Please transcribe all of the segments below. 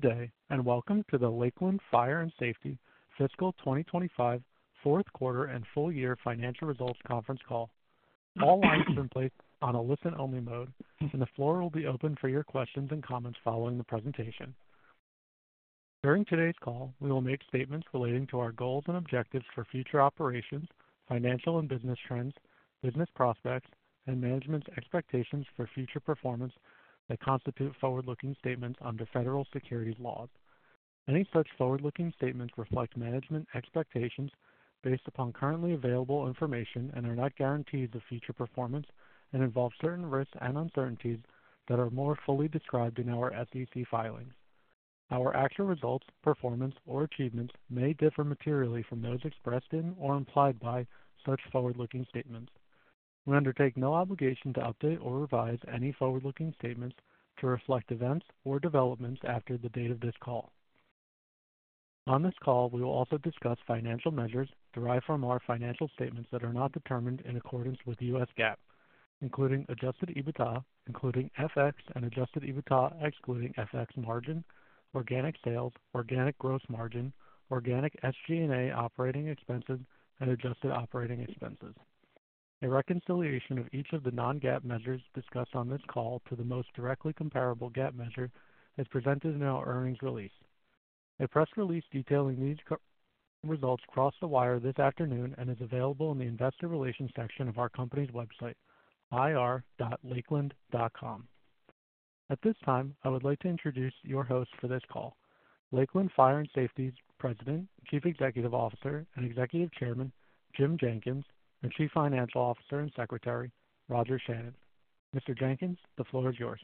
Good day, and welcome to the Lakeland Fire and Safety Fiscal 2025 Fourth Quarter and Full Year Financial Results Conference call. All lines are in place on a listen-only mode, and the floor will be open for your questions and comments following the presentation. During today's call, we will make statements relating to our goals and objectives for future operations, financial and business trends, business prospects, and management's expectations for future performance that constitute forward-looking statements under federal securities laws. Any such forward-looking statements reflect management expectations based upon currently available information and are not guarantees of future performance and involve certain risks and uncertainties that are more fully described in our SEC filings. Our actual results, performance, or achievements may differ materially from those expressed in or implied by such forward-looking statements. We undertake no obligation to update or revise any forward-looking statements to reflect events or developments after the date of this call. On this call, we will also discuss financial measures derived from our financial statements that are not determined in accordance with U.S. GAAP, including Adjusted EBITDA, including FX and Adjusted EBITDA excluding FX margin, organic sales, organic gross margin, organic SG&A operating expenses, and adjusted operating expenses. A reconciliation of each of the non-GAAP measures discussed on this call to the most directly comparable GAAP measure is presented in our earnings release. A press release detailing these results crossed the wire this afternoon and is available in the investor relations section of our company's website, ir.lakeland.com. At this time, I would like to introduce your hosts for this call: Lakeland Fire and Safety's President, Chief Executive Officer, and Executive Chairman, Jim Jenkins, and Chief Financial Officer and Secretary, Roger Shannon. Mr. Jenkins, the floor is yours.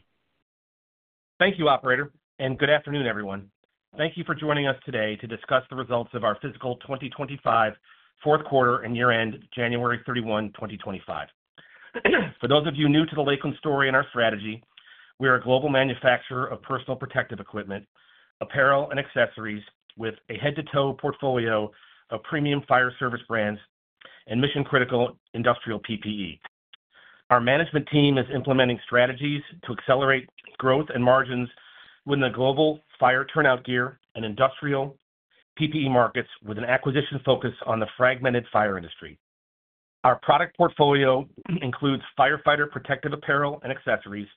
Thank you, Operator, and good afternoon, everyone. Thank you for joining us today to discuss the results of our fiscal 2025 Fourth Quarter and Year-end, January 31, 2025. For those of you new to the Lakeland story and our strategy, we are a global manufacturer of personal protective equipment, apparel, and accessories with a head-to-toe portfolio of premium fire service brands and mission-critical industrial PPE. Our management team is implementing strategies to accelerate growth and margins within the global fire turnout gear and industrial PPE markets with an acquisition focus on the fragmented fire industry. Our product portfolio includes firefighter protective apparel and accessories,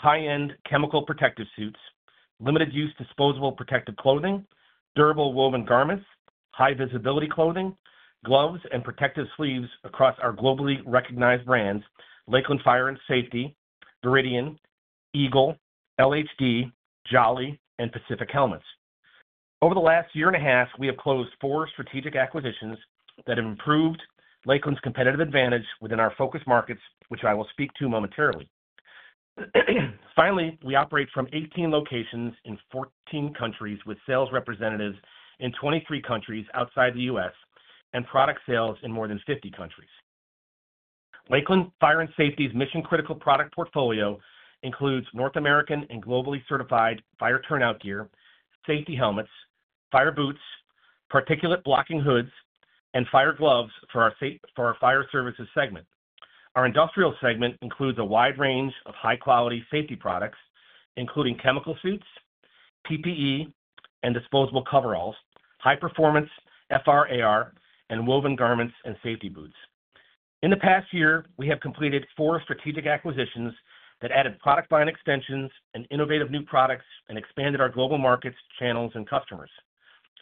high-end chemical protective suits, limited-use disposable protective clothing, durable woven garments, high-visibility clothing, gloves, and protective sleeves across our globally recognized brands: Lakeland Fire and Safety, Veridian, Eagle, LHD, Jolly, and Pacific Helmets. Over the last year and a half, we have closed four strategic acquisitions that have improved Lakeland's competitive advantage within our focus markets, which I will speak to momentarily. Finally, we operate from 18 locations in 14 countries with sales representatives in 23 countries outside the U.S. and product sales in more than 50 countries. Lakeland Fire and Safety's mission-critical product portfolio includes North American and globally certified fire turnout gear, safety helmets, fire boots, particulate-blocking hoods, and fire gloves for our fire services segment. Our industrial segment includes a wide range of high-quality safety products, including chemical suits, PPE, and disposable coveralls, high-performance FR/AR, and woven garments and safety boots. In the past year, we have completed four strategic acquisitions that added product line extensions and innovative new products and expanded our global markets, channels, and customers.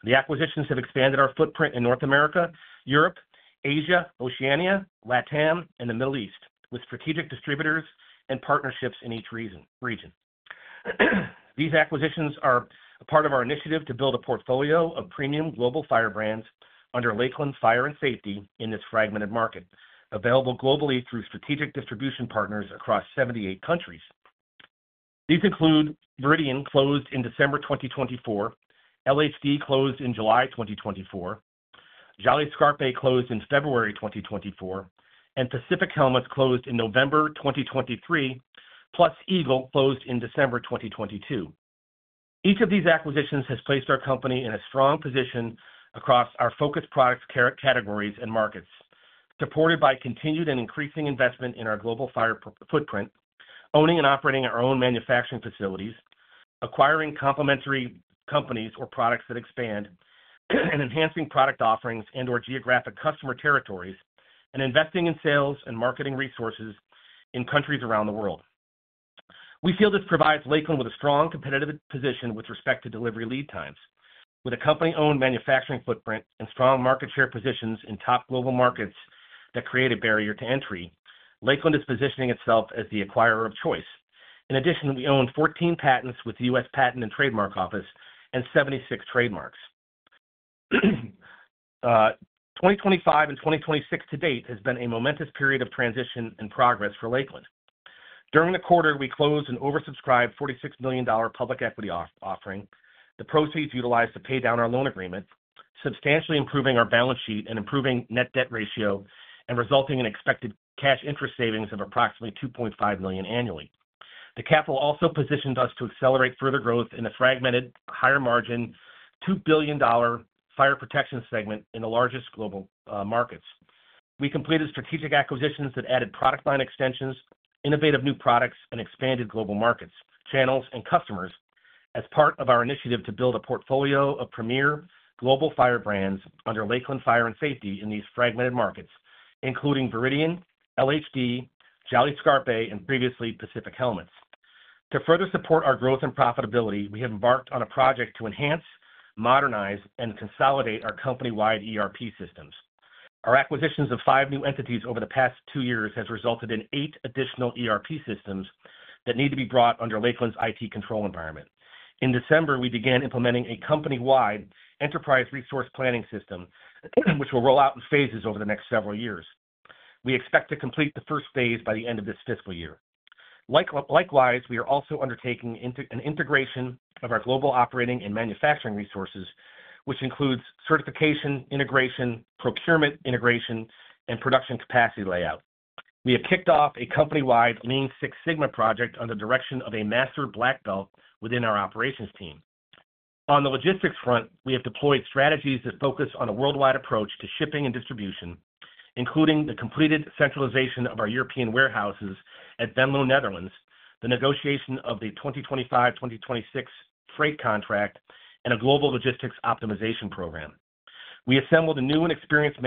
The acquisitions have expanded our footprint in North America, Europe, Asia, Oceania, LATAM, and the Middle East with strategic distributors and partnerships in each region. These acquisitions are part of our initiative to build a portfolio of premium global fire brands under Lakeland Fire and Safety in this fragmented market, available globally through strategic distribution partners across 78 countries. These include Veridian, closed in December 2024; LHD, closed in July 2024; Jolly Scarpe, closed in February 2024; and Pacific Helmets, closed in November 2023; plus Eagle, closed in December 2022. Each of these acquisitions has placed our company in a strong position across our focus product categories and markets, supported by continued and increasing investment in our global fire footprint, owning and operating our own manufacturing facilities, acquiring complementary companies or products that expand, and enhancing product offerings and/or geographic customer territories, and investing in sales and marketing resources in countries around the world. We feel this provides Lakeland with a strong competitive position with respect to delivery lead times. With a company-owned manufacturing footprint and strong market share positions in top global markets that create a barrier to entry, Lakeland is positioning itself as the acquirer of choice. In addition, we own 14 patents with the U.S. Patent and Trademark Office and 76 trademarks. 2025 and 2026 to date has been a momentous period of transition and progress for Lakeland. During the quarter, we closed an oversubscribed $46 million public equity offering, the proceeds utilized to pay down our loan agreement, substantially improving our balance sheet and improving net debt ratio, and resulting in expected cash interest savings of approximately $2.5 million annually. The capital also positioned us to accelerate further growth in a fragmented, higher-margin, $2 billion fire protection segment in the largest global markets. We completed strategic acquisitions that added product line extensions, innovative new products, and expanded global markets, channels, and customers as part of our initiative to build a portfolio of premier global fire brands under Lakeland Fire and Safety in these fragmented markets, including Veridian, LHD, Jolly Scarpe, and previously Pacific Helmets. To further support our growth and profitability, we have embarked on a project to enhance, modernize, and consolidate our company-wide ERP systems. Our acquisitions of five new entities over the past two years have resulted in eight additional ERP systems that need to be brought under Lakeland's IT control environment. In December, we began implementing a company-wide enterprise resource planning system, which will roll out in phases over the next several years. We expect to complete the first phase by the end of this fiscal year. Likewise, we are also undertaking an integration of our global operating and manufacturing resources, which includes certification integration, procurement integration, and production capacity layout. We have kicked off a company-wide Lean Six Sigma project under the direction of a Master Black Belt within our operations team. On the logistics front, we have deployed strategies that focus on a worldwide approach to shipping and distribution, including the completed centralization of our European warehouses at Venlo, Netherlands, the negotiation of the 2025-2026 freight contract, and a global logistics optimization program. We assembled a new and experienced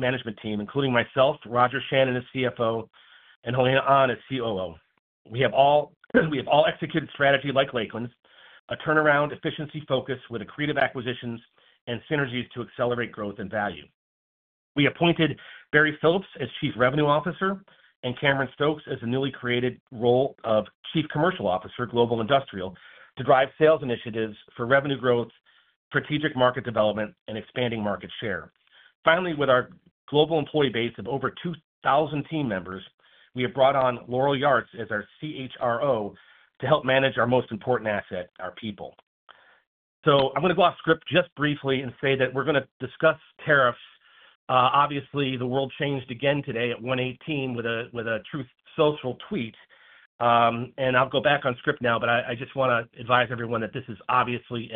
management team, including myself, Roger Shannon as CFO, and Helena An as COO. We have all executed strategy like Lakeland's, a turnaround efficiency focus with accretive acquisitions and synergies to accelerate growth and value. We appointed Barry Phillips as Chief Revenue Officer and Cameron Stokes as a newly created role of Chief Commercial Officer, Global Industrial, to drive sales initiatives for revenue growth, strategic market development, and expanding market share. Finally, with our global employee base of over 2,000 team members, we have brought on Laurel Yartz as our CHRO to help manage our most important asset, our people. I'm going to go off script just briefly and say that we're going to discuss tariffs. Obviously, the world changed again today at 1:18 with a Truth Social tweet. I'll go back on script now, but I just want to advise everyone that this is obviously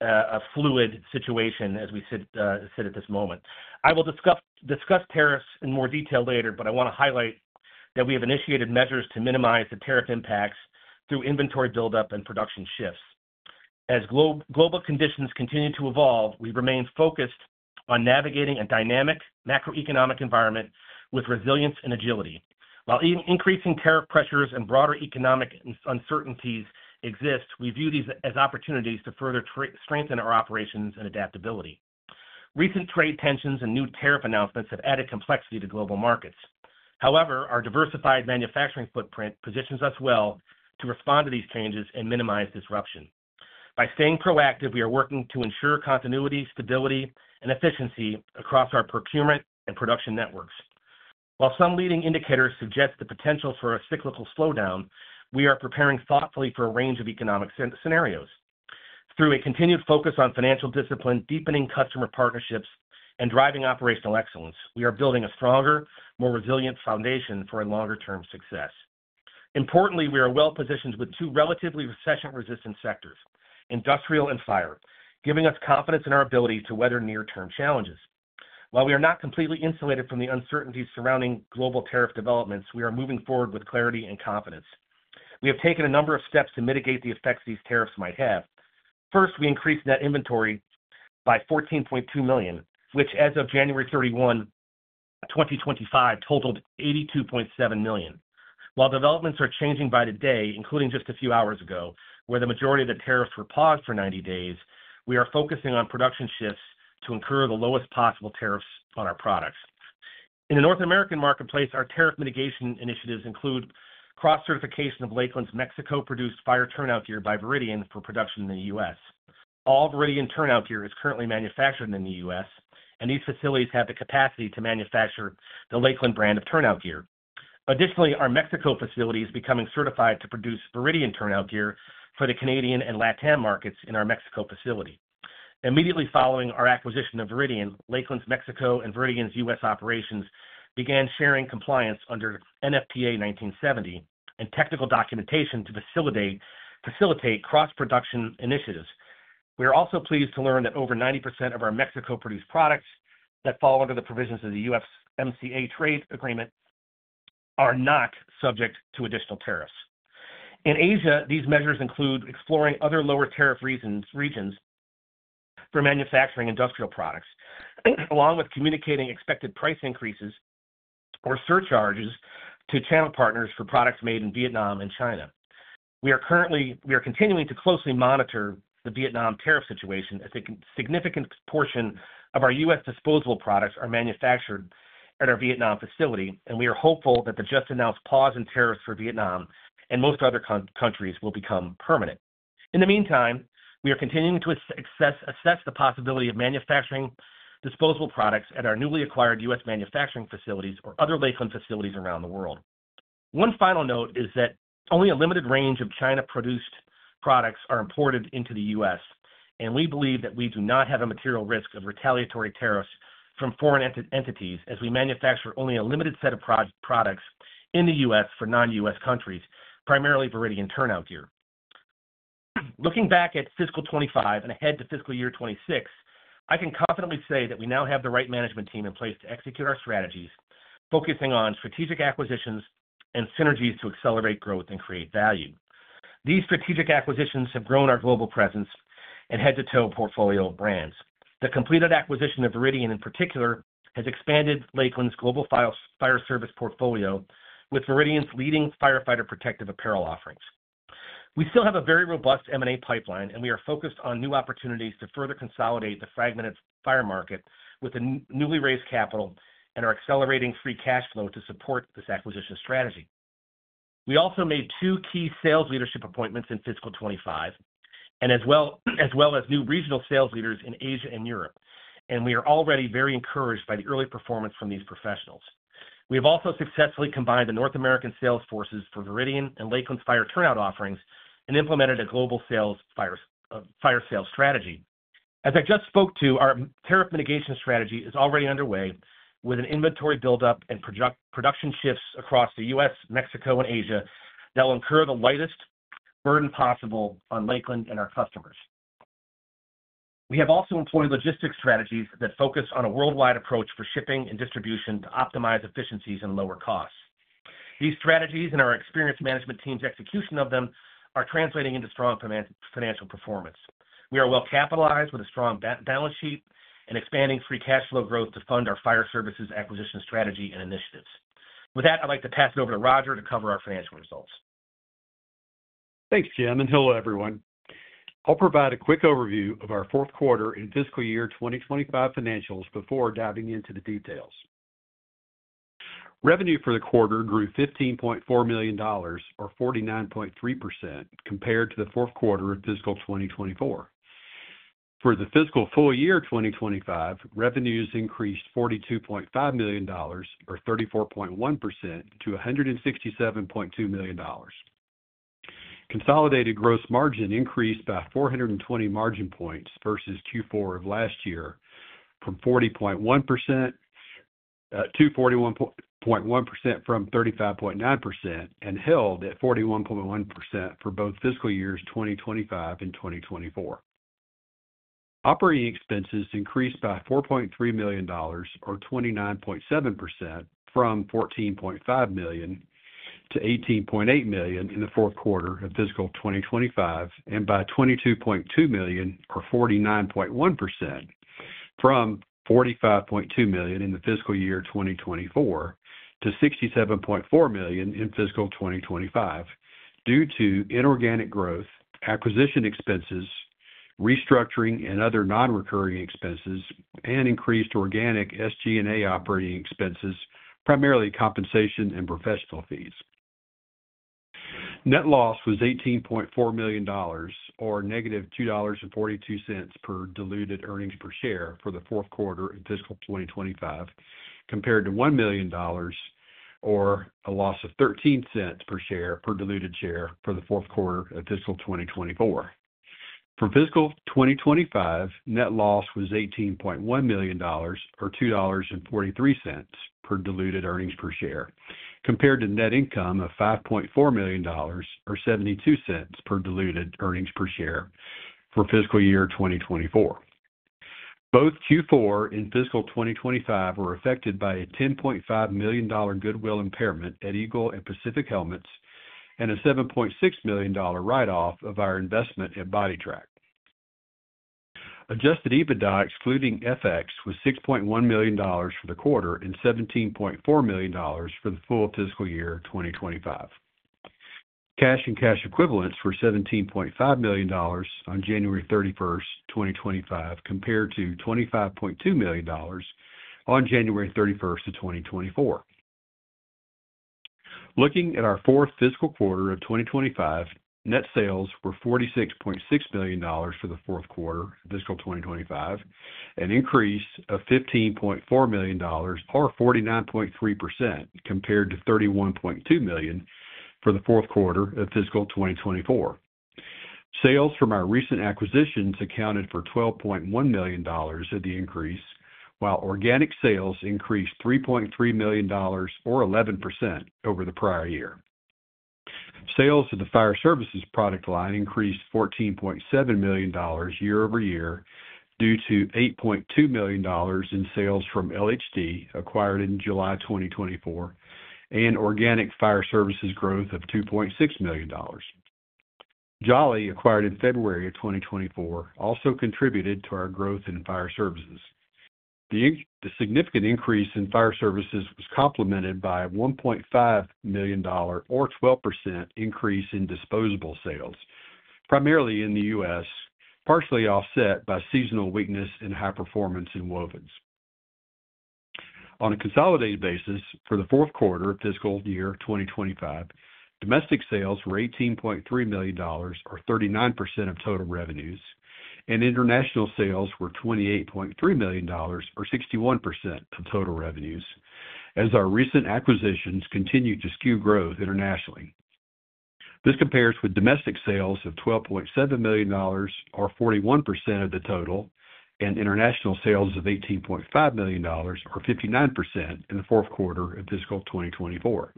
a fluid situation as we sit at this moment. I will discuss tariffs in more detail later, but I want to highlight that we have initiated measures to minimize the tariff impacts through inventory buildup and production shifts. As global conditions continue to evolve, we remain focused on navigating a dynamic macroeconomic environment with resilience and agility. While increasing tariff pressures and broader economic uncertainties exist, we view these as opportunities to further strengthen our operations and adaptability. Recent trade tensions and new tariff announcements have added complexity to global markets. However, our diversified manufacturing footprint positions us well to respond to these changes and minimize disruption. By staying proactive, we are working to ensure continuity, stability, and efficiency across our procurement and production networks. While some leading indicators suggest the potential for a cyclical slowdown, we are preparing thoughtfully for a range of economic scenarios. Through a continued focus on financial discipline, deepening customer partnerships, and driving operational excellence, we are building a stronger, more resilient foundation for longer-term success. Importantly, we are well positioned with two relatively recession-resistant sectors, industrial and fire, giving us confidence in our ability to weather near-term challenges. While we are not completely insulated from the uncertainties surrounding global tariff developments, we are moving forward with clarity and confidence. We have taken a number of steps to mitigate the effects these tariffs might have. First, we increased net inventory by $14.2 million, which as of January 31, 2025, totaled $82.7 million. While developments are changing by today, including just a few hours ago, where the majority of the tariffs were paused for 90 days, we are focusing on production shifts to incur the lowest possible tariffs on our products. In the North American marketplace, our tariff mitigation initiatives include cross-certification of Lakeland's Mexico-produced fire turnout gear by Veridian for production in the U.S. All Veridian turnout gear is currently manufactured in the U.S., and these facilities have the capacity to manufacture the Lakeland brand of turnout gear. Additionally, our Mexico facility is becoming certified to produce Veridian turnout gear for the Canadian and LATAM markets in our Mexico facility. Immediately following our acquisition of Veridian, Lakeland's Mexico and Veridian's U.S. operations began sharing compliance under NFPA 1970 and technical documentation to facilitate cross-production initiatives. We are also pleased to learn that over 90% of our Mexico-produced products that fall under the provisions of the USMCA trade agreement are not subject to additional tariffs. In Asia, these measures include exploring other lower tariff regions for manufacturing industrial products, along with communicating expected price increases or surcharges to channel partners for products made in Vietnam and China. We are continuing to closely monitor the Vietnam tariff situation as a significant portion of our US disposable products are manufactured at our Vietnam facility, and we are hopeful that the just-announced pause in tariffs for Vietnam and most other countries will become permanent. In the meantime, we are continuing to assess the possibility of manufacturing disposable products at our newly acquired US manufacturing facilities or other Lakeland facilities around the world. One final note is that only a limited range of China-produced products are imported into the U.S., and we believe that we do not have a material risk of retaliatory tariffs from foreign entities as we manufacture only a limited set of products in the U.S. for non-U.S. countries, primarily Veridian turnout gear. Looking back at fiscal 2025 and ahead to fiscal year 2026, I can confidently say that we now have the right management team in place to execute our strategies, focusing on strategic acquisitions and synergies to accelerate growth and create value. These strategic acquisitions have grown our global presence and head-to-toe portfolio of brands. The completed acquisition of Veridian in particular has expanded Lakeland's global fire service portfolio with Veridian's leading firefighter protective apparel offerings. We still have a very robust M&A pipeline, and we are focused on new opportunities to further consolidate the fragmented fire market with newly raised capital and our accelerating free cash flow to support this acquisition strategy. We also made two key sales leadership appointments in fiscal 2025, as well as new regional sales leaders in Asia and Europe, and we are already very encouraged by the early performance from these professionals. We have also successfully combined the North American sales forces for Veridian and Lakeland's fire turnout offerings and implemented a global fire sales strategy. As I just spoke to, our tariff mitigation strategy is already underway with an inventory buildup and production shifts across the U.S., Mexico, and Asia that will incur the lightest burden possible on Lakeland and our customers. We have also employed logistics strategies that focus on a worldwide approach for shipping and distribution to optimize efficiencies and lower costs. These strategies and our experienced management team's execution of them are translating into strong financial performance. We are well capitalized with a strong balance sheet and expanding free cash flow growth to fund our fire services acquisition strategy and initiatives. With that, I'd like to pass it over to Roger to cover our financial results. Thanks, Jim. Hello, everyone. I'll provide a quick overview of our fourth quarter and fiscal year 2025 financials before diving into the details. Revenue for the quarter grew $15.4 million, or 49.3%, compared to the fourth quarter of fiscal 2024. For the fiscal full year 2025, revenues increased $42.5 million, or 34.1%, to $167.2 million. Consolidated gross margin increased by 420 margin points versus Q4 of last year from 40.1%-41.1% from 35.9% and held at 41.1% for both fiscal years 2025 and 2024. Operating expenses increased by $4.3 million, or 29.7%, from $14.5 million to $18.8 million in the fourth quarter of fiscal 2025, and by $22.2 million, or 49.1%, from $45.2 million in the fiscal year 2024 to $67.4 million in fiscal 2025 due to inorganic growth, acquisition expenses, restructuring, and other non-recurring expenses, and increased organic SG&A operating expenses, primarily compensation and professional fees. Net loss was $18.4 million, or negative $2.42 per diluted earnings per share for the fourth quarter of fiscal 2025, compared to $1 million, or a loss of $0.13 per share per diluted share for the fourth quarter of fiscal 2024. For fiscal 2025, net loss was $18.1 million, or $2.43 per diluted earnings per share, compared to net income of $5.4 million, or $0.72 per diluted earnings per share for fiscal year 2024. Both Q4 and fiscal 2025 were affected by a $10.5 million goodwill impairment at Eagle and Pacific Helmets and a $7.6 million write-off of our investment at Bodytrak. Adjusted EBITDA, excluding FX, was $6.1 million for the quarter and $17.4 million for the full fiscal year 2025. Cash and cash equivalents were $17.5 million on January 31, 2025, compared to $25.2 million on January 31, 2024. Looking at our fourth fiscal quarter of 2025, net sales were $46.6 million for the fourth quarter of fiscal 2025, an increase of $15.4 million, or 49.3%, compared to $31.2 million for the fourth quarter of fiscal 2024. Sales from our recent acquisitions accounted for $12.1 million of the increase, while organic sales increased $3.3 million, or 11%, over the prior year. Sales of the fire services product line increased $14.7 million year-over-year due to $8.2 million in sales from LHD, acquired in July 2024, and organic fire services growth of $2.6 million. Jolly, acquired in February 2024, also contributed to our growth in fire services. The significant increase in fire services was complemented by a $1.5 million, or 12%, increase in disposable sales, primarily in the U.S., partially offset by seasonal weakness in high-performance wovens. On a consolidated basis, for the fourth quarter of fiscal year 2025, domestic sales were $18.3 million, or 39% of total revenues, and international sales were $28.3 million, or 61% of total revenues, as our recent acquisitions continued to skew growth internationally. This compares with domestic sales of $12.7 million, or 41% of the total, and international sales of $18.5 million, or 59%, in the fourth quarter of fiscal 2024.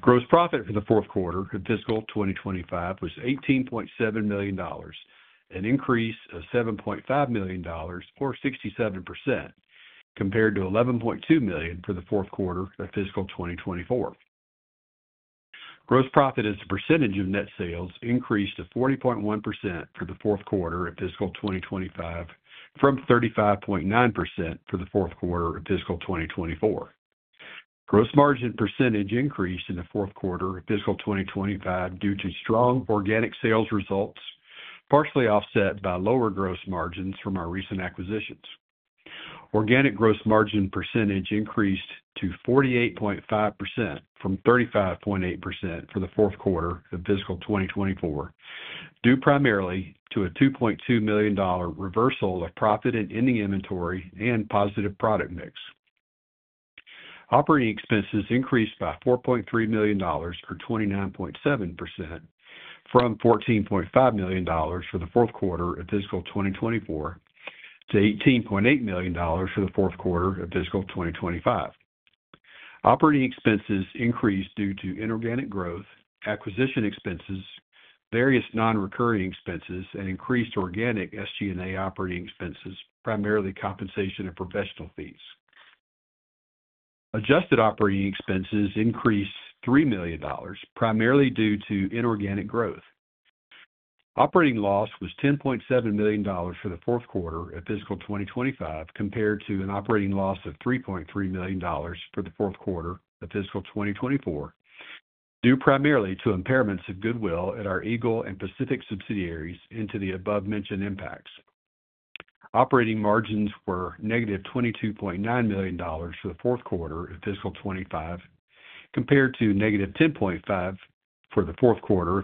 Gross profit for the fourth quarter of fiscal 2025 was $18.7 million, an increase of $7.5 million, or 67%, compared to $11.2 million for the fourth quarter of fiscal 2024. Gross profit as a percentage of net sales increased to 40.1% for the fourth quarter of fiscal 2025 from 35.9% for the fourth quarter of fiscal 2024. Gross margin percentage increased in the fourth quarter of fiscal 2025 due to strong organic sales results, partially offset by lower gross margins from our recent acquisitions. Organic gross margin percentage increased to 48.5% from 35.8% for the fourth quarter of fiscal 2024 due primarily to a $2.2 million reversal of profit and ending inventory and positive product mix. Operating expenses increased by $4.3 million, or 29.7%, from $14.5 million for the fourth quarter of fiscal 2024 to $18.8 million for the fourth quarter of fiscal 2025. Operating expenses increased due to inorganic growth, acquisition expenses, various non-recurring expenses, and increased organic SG&A operating expenses, primarily compensation and professional fees. Adjusted operating expenses increased $3 million, primarily due to inorganic growth. Operating loss was $10.7 million for the fourth quarter of fiscal 2025 compared to an operating loss of $3.3 million for the fourth quarter of fiscal 2024 due primarily to impairments of goodwill at our Eagle and Pacific subsidiaries in addition to the above-mentioned impacts. Operating margins were negative $22.9 million for the fourth quarter of fiscal 2025 compared to negative $10.5 million for the fourth quarter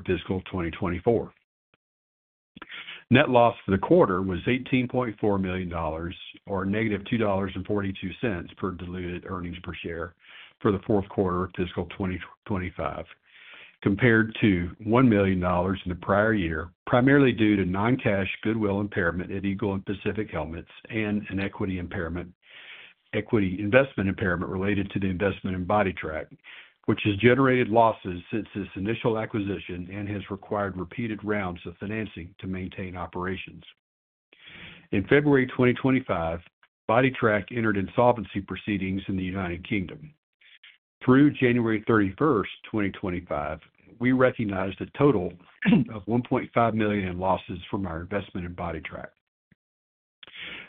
of fiscal 2024. Net loss for the quarter was $18.4 million, or negative $2.42 per diluted earnings per share for the fourth quarter of fiscal 2025, compared to $1 million in the prior year, primarily due to non-cash goodwill impairment at Eagle and Pacific Helmets and an equity investment impairment related to the investment in Bodytrak, which has generated losses since its initial acquisition and has required repeated rounds of financing to maintain operations. In February 2025, Bodytrak entered insolvency proceedings in the U.K. Through January 31, 2025, we recognized a total of $1.5 million in losses from our investment in Bodytrak.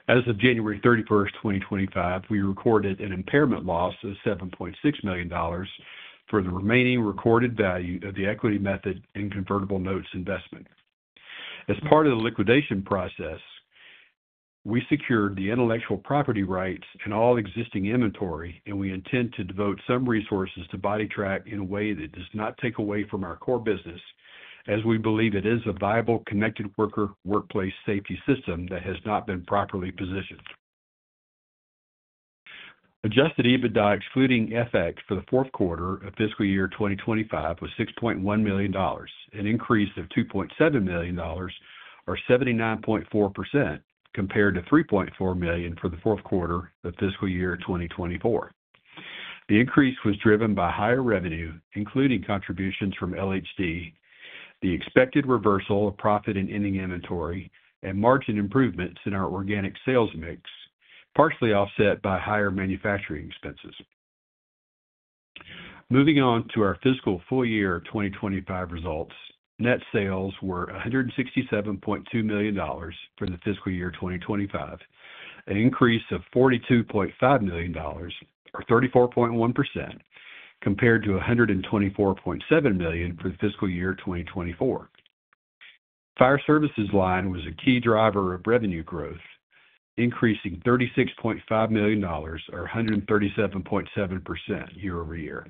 As of January 31, 2025, we recorded an impairment loss of $7.6 million for the remaining recorded value of the equity method and convertible notes investment. As part of the liquidation process, we secured the intellectual property rights and all existing inventory, and we intend to devote some resources to Bodytrak in a way that does not take away from our core business, as we believe it is a viable connected worker workplace safety system that has not been properly positioned. Adjusted EBITDA, excluding FX, for the fourth quarter of fiscal year 2025 was $6.1 million, an increase of $2.7 million, or 79.4%, compared to $3.4 million for the fourth quarter of fiscal year 2024. The increase was driven by higher revenue, including contributions from LHD, the expected reversal of profit and ending inventory, and margin improvements in our organic sales mix, partially offset by higher manufacturing expenses. Moving on to our fiscal full year 2025 results, net sales were $167.2 million for the fiscal year 2025, an increase of $42.5 million, or 34.1%, compared to $124.7 million for the fiscal year 2024. Fire services line was a key driver of revenue growth, increasing $36.5 million, or 137.7%, year-over-year.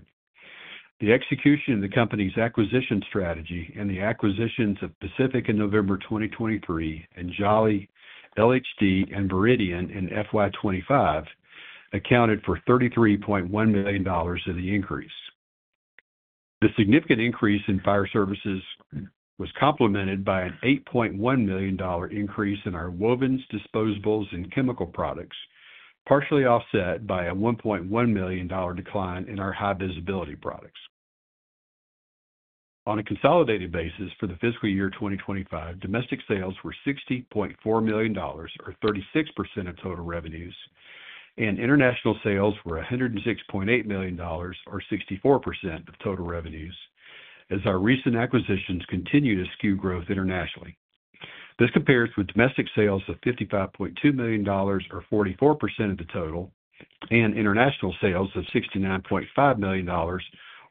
The execution of the company's acquisition strategy and the acquisitions of Pacific Helmets in November 2023 and Jolly Scarpe, LHD, and Veridian in fiscal year 2025 accounted for $33.1 million of the increase. The significant increase in fire services was complemented by an $8.1 million increase in our wovens, disposables, and chemical products, partially offset by a $1.1 million decline in our high-visibility products. On a consolidated basis, for the fiscal year 2025, domestic sales were $60.4 million, or 36% of total revenues, and international sales were $106.8 million, or 64% of total revenues, as our recent acquisitions continue to skew growth internationally. This compares with domestic sales of $55.2 million, or 44% of the total, and international sales of $69.5 million, or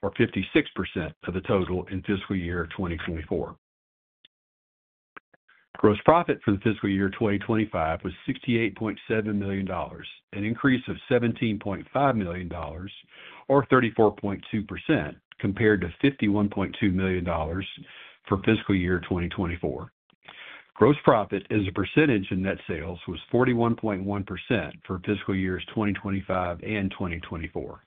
56% of the total in fiscal year 2024. Gross profit for the fiscal year 2025 was $68.7 million, an increase of $17.5 million, or 34.2%, compared to $51.2 million for fiscal year 2024. Gross profit as a percentage in net sales was 41.1% for fiscal years 2025 and 2024.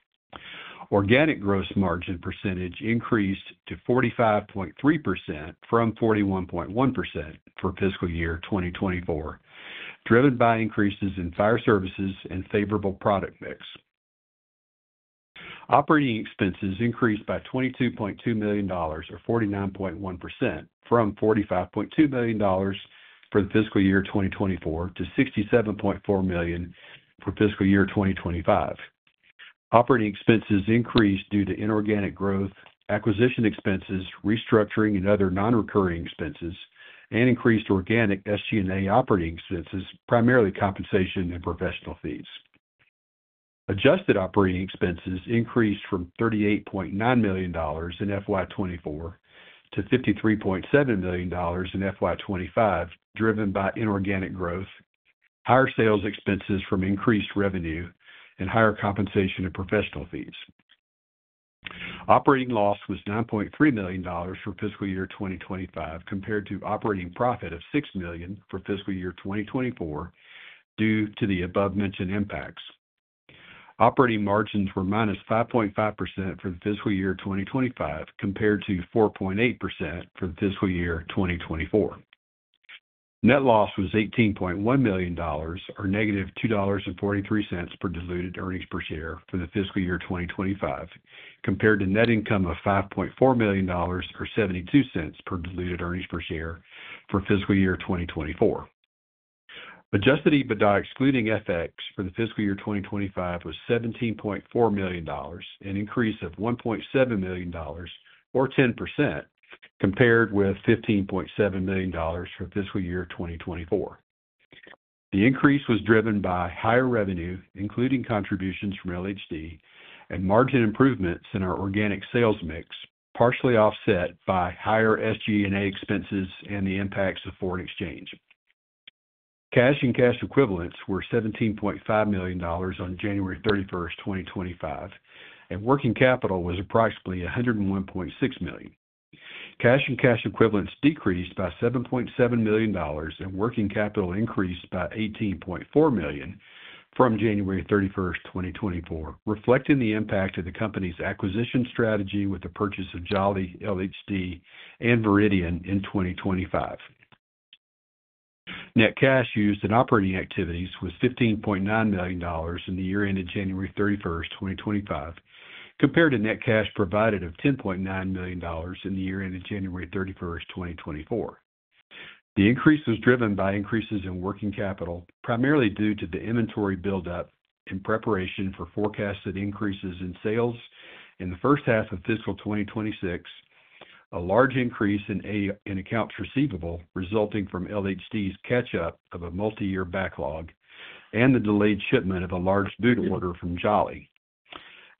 Organic gross margin percentage increased to 45.3% from 41.1% for fiscal year 2024, driven by increases in fire services and favorable product mix. Operating expenses increased by $22.2 million, or 49.1%, from $45.2 million for the fiscal year 2024 to $67.4 million for fiscal year 2025. Operating expenses increased due to inorganic growth, acquisition expenses, restructuring, and other non-recurring expenses, and increased organic SG&A operating expenses, primarily compensation and professional fees. Adjusted operating expenses increased from $38.9 million in fiscal year 2024 to $53.7 million in fiscal year 2025, driven by inorganic growth, higher sales expenses from increased revenue, and higher compensation and professional fees. Operating loss was $9.3 million for fiscal year 2025, compared to operating profit of $6 million for fiscal year 2024 due to the above-mentioned impacts. Operating margins were minus 5.5% for the fiscal year 2025, compared to 4.8% for fiscal year 2024. Net loss was $18.1 million, or negative $2.43 per diluted earnings per share for the fiscal year 2025, compared to net income of $5.4 million, or $0.72 per diluted earnings per share for fiscal year 2024. Adjusted EBITDA, excluding FX, for the fiscal year 2025 was $17.4 million, an increase of $1.7 million, or 10%, compared with $15.7 million for fiscal year 2024. The increase was driven by higher revenue, including contributions from LHD, and margin improvements in our organic sales mix, partially offset by higher SG&A expenses and the impacts of foreign exchange. Cash and cash equivalents were $17.5 million on January 31, 2025, and working capital was approximately $101.6 million. Cash and cash equivalents decreased by $7.7 million, and working capital increased by $18.4 million from January 31, 2024, reflecting the impact of the company's acquisition strategy with the purchase of Jolly, LHD, and Veridian in 2025. Net cash used in operating activities was $15.9 million in the year ended January 31, 2025, compared to net cash provided of $10.9 million in the year ended January 31, 2024. The increase was driven by increases in working capital, primarily due to the inventory buildup in preparation for forecasted increases in sales in the first half of fiscal 2026, a large increase in accounts receivable resulting from LHD's catch-up of a multi-year backlog, and the delayed shipment of a large boot order from Jolly.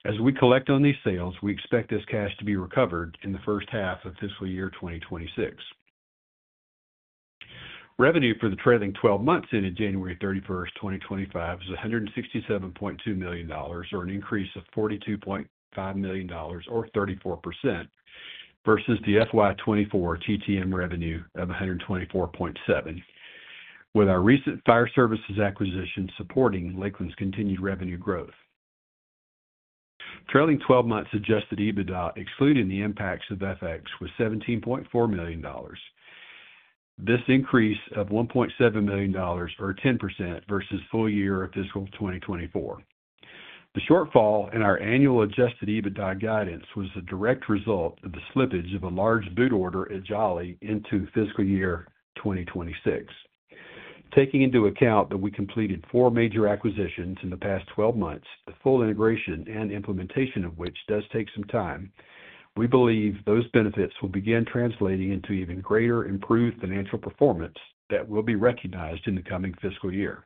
As we collect on these sales, we expect this cash to be recovered in the first half of fiscal year 2026. Revenue for the trailing 12 months ended January 31, 2025, was $167.2 million, or an increase of $42.5 million, or 34%, versus the FY 2024 TTM revenue of $124.7 million, with our recent fire services acquisition supporting Lakeland's continued revenue growth. Trailing 12 months adjusted EBITDA, excluding the impacts of FX, was $17.4 million. This increase of $1.7 million, or 10%, versus full year of fiscal 2024. The shortfall in our annual adjusted EBITDA guidance was a direct result of the slippage of a large boot order at Jolly into fiscal year 2026. Taking into account that we completed four major acquisitions in the past 12 months, the full integration and implementation of which does take some time, we believe those benefits will begin translating into even greater improved financial performance that will be recognized in the coming fiscal year.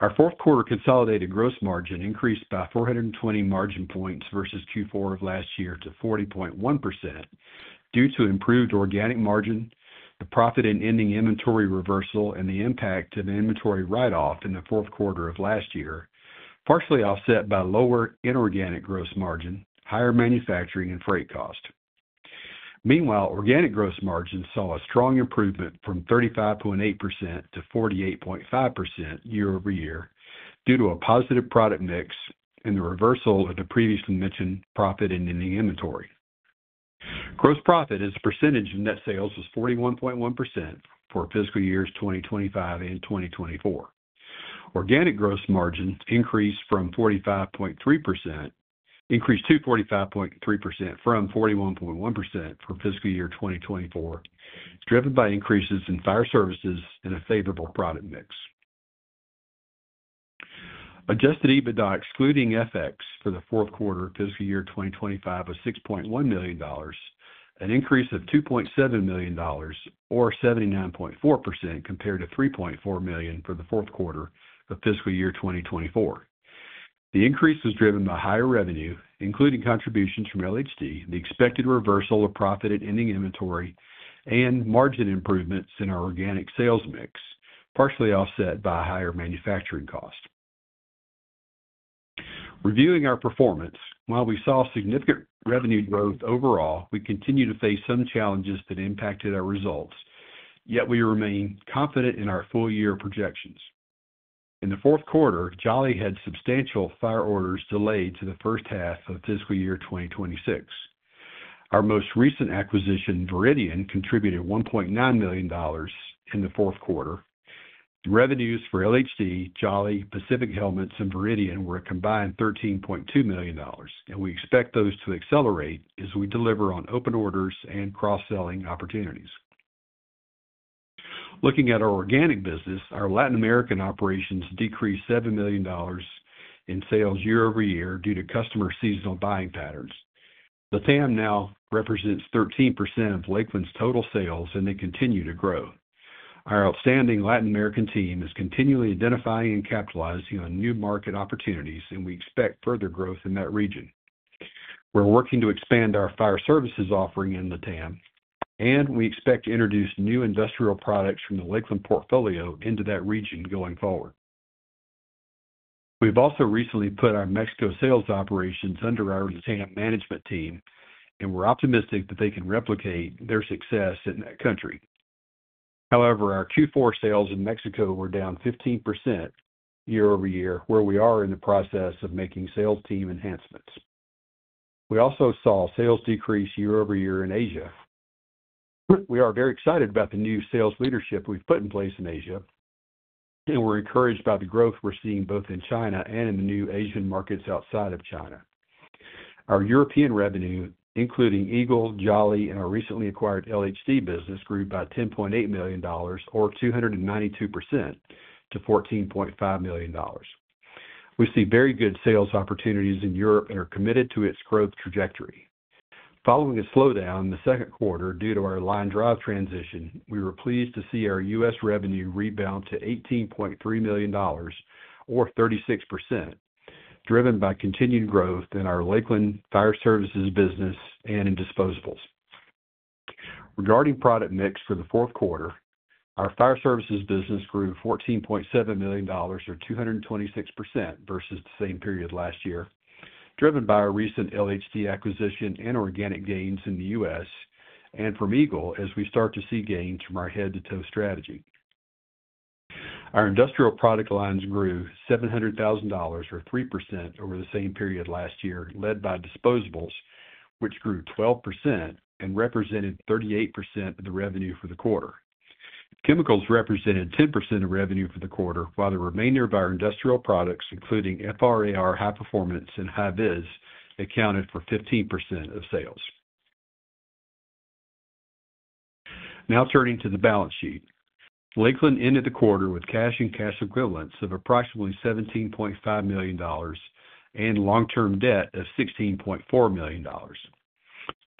Our fourth quarter consolidated gross margin increased by 420 margin points versus Q4 of last year to 40.1% due to improved organic margin, the profit and ending inventory reversal, and the impact of inventory write-off in the fourth quarter of last year, partially offset by lower inorganic gross margin, higher manufacturing, and freight cost. Meanwhile, organic gross margin saw a strong improvement from 35.8%-48.5% year-over-year due to a positive product mix and the reversal of the previously mentioned profit and ending inventory. Gross profit as a percentage of net sales was 41.1% for fiscal years 2025 and 2024. Organic gross margin increased from 45.3%, increased to 45.3% from 41.1% for fiscal year 2024, driven by increases in fire services and a favorable product mix. Adjusted EBITDA, excluding FX, for the fourth quarter of fiscal year 2025 was $6.1 million, an increase of $2.7 million, or 79.4%, compared to $3.4 million for the fourth quarter of fiscal year 2024. The increase was driven by higher revenue, including contributions from LHD, the expected reversal of profit and ending inventory, and margin improvements in our organic sales mix, partially offset by higher manufacturing cost. Reviewing our performance, while we saw significant revenue growth overall, we continue to face some challenges that impacted our results, yet we remain confident in our full year projections. In the fourth quarter, Jolly had substantial fire orders delayed to the first half of fiscal year 2026. Our most recent acquisition, Veridian, contributed $1.9 million in the fourth quarter. Revenues for LHD, Jolly, Pacific Helmets, and Veridian were a combined $13.2 million, and we expect those to accelerate as we deliver on open orders and cross-selling opportunities. Looking at our organic business, our Latin American operations decreased $7 million in sales year-over-year due to customer seasonal buying patterns. The LATAM now represents 13% of Lakeland's total sales, and they continue to grow. Our outstanding Latin American team is continually identifying and capitalizing on new market opportunities, and we expect further growth in that region. We're working to expand our fire services offering in the LATAM, and we expect to introduce new industrial products from the Lakeland portfolio into that region going forward. We've also recently put our Mexico sales operations under our LATAM management team, and we're optimistic that they can replicate their success in that country. However, our Q4 sales in Mexico were down 15% year-over-year, where we are in the process of making sales team enhancements. We also saw sales decrease year-over-year in Asia. We are very excited about the new sales leadership we've put in place in Asia, and we're encouraged by the growth we're seeing both in China and in the new Asian markets outside of China. Our European revenue, including Eagle, Jolly, and our recently acquired LHD business, grew by $10.8 million, or 292%, to $14.5 million. We see very good sales opportunities in Europe and are committed to its growth trajectory. Following a slowdown in the second quarter due to our LineDrive transition, we were pleased to see our U.S. revenue rebound to $18.3 million, or 36%, driven by continued growth in our Lakeland fire services business and in disposables. Regarding product mix for the fourth quarter, our fire services business grew $14.7 million, or 226%, versus the same period last year, driven by our recent LHD acquisition and organic gains in the U.S. and from Eagle as we start to see gains from our head-to-toe strategy. Our industrial product lines grew $700,000, or 3%, over the same period last year, led by disposables, which grew 12% and represented 38% of the revenue for the quarter. Chemicals represented 10% of revenue for the quarter, while the remainder of our industrial products, including FR/AR, high-performance, and high-viz, accounted for 15% of sales. Now turning to the balance sheet, Lakeland ended the quarter with cash and cash equivalents of approximately $17.5 million and long-term debt of $16.4 million.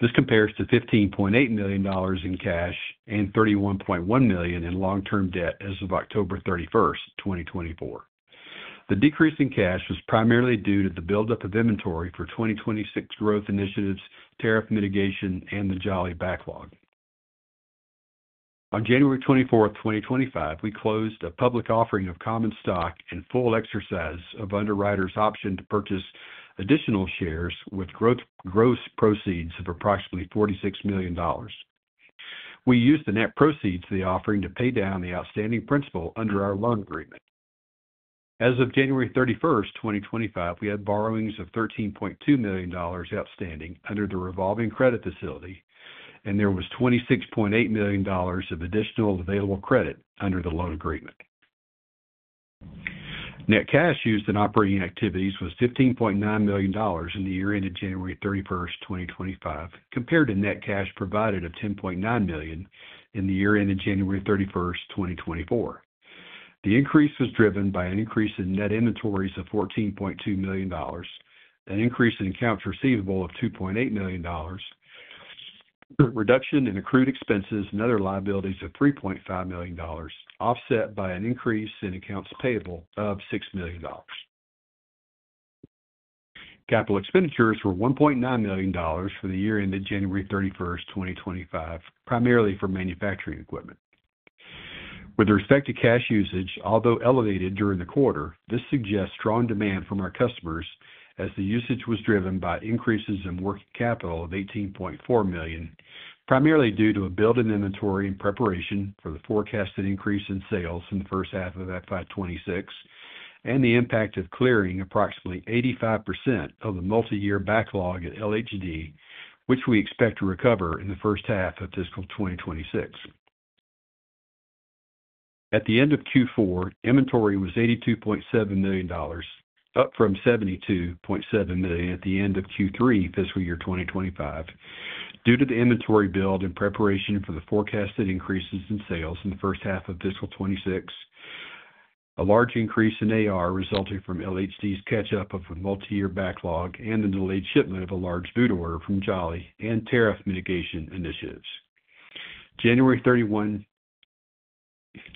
This compares to $15.8 million in cash and $31.1 million in long-term debt as of October 31, 2024. The decrease in cash was primarily due to the buildup of inventory for 2026 growth initiatives, tariff mitigation, and the Jolly backlog. On January 24, 2025, we closed a public offering of common stock and full exercise of underwriters' option to purchase additional shares with gross proceeds of approximately $46 million. We used the net proceeds of the offering to pay down the outstanding principal under our loan agreement. As of January 31, 2025, we had borrowings of $13.2 million outstanding under the revolving credit facility, and there was $26.8 million of additional available credit under the loan agreement. Net cash used in operating activities was $15.9 million in the year ended January 31, 2025, compared to net cash provided of $10.9 million in the year ended January 31, 2024. The increase was driven by an increase in net inventories of $14.2 million, an increase in accounts receivable of $2.8 million, reduction in accrued expenses and other liabilities of $3.5 million, offset by an increase in accounts payable of $6 million. Capital expenditures were $1.9 million for the year ended January 31, 2025, primarily for manufacturing equipment. With respect to cash usage, although elevated during the quarter, this suggests strong demand from our customers as the usage was driven by increases in working capital of $18.4 million, primarily due to a build-in inventory in preparation for the forecasted increase in sales in the first half of FY 2026 and the impact of clearing approximately 85% of the multi-year backlog at LHD, which we expect to recover in the first half of fiscal 2026. At the end of Q4, inventory was $82.7 million, up from $72.7 million at the end of Q3 fiscal year 2025. Due to the inventory build in preparation for the forecasted increases in sales in the first half of fiscal 2026, a large increase in AR resulting from LHD's catch-up of a multi-year backlog and the delayed shipment of a large boot order from Jolly and tariff mitigation initiatives. January 31,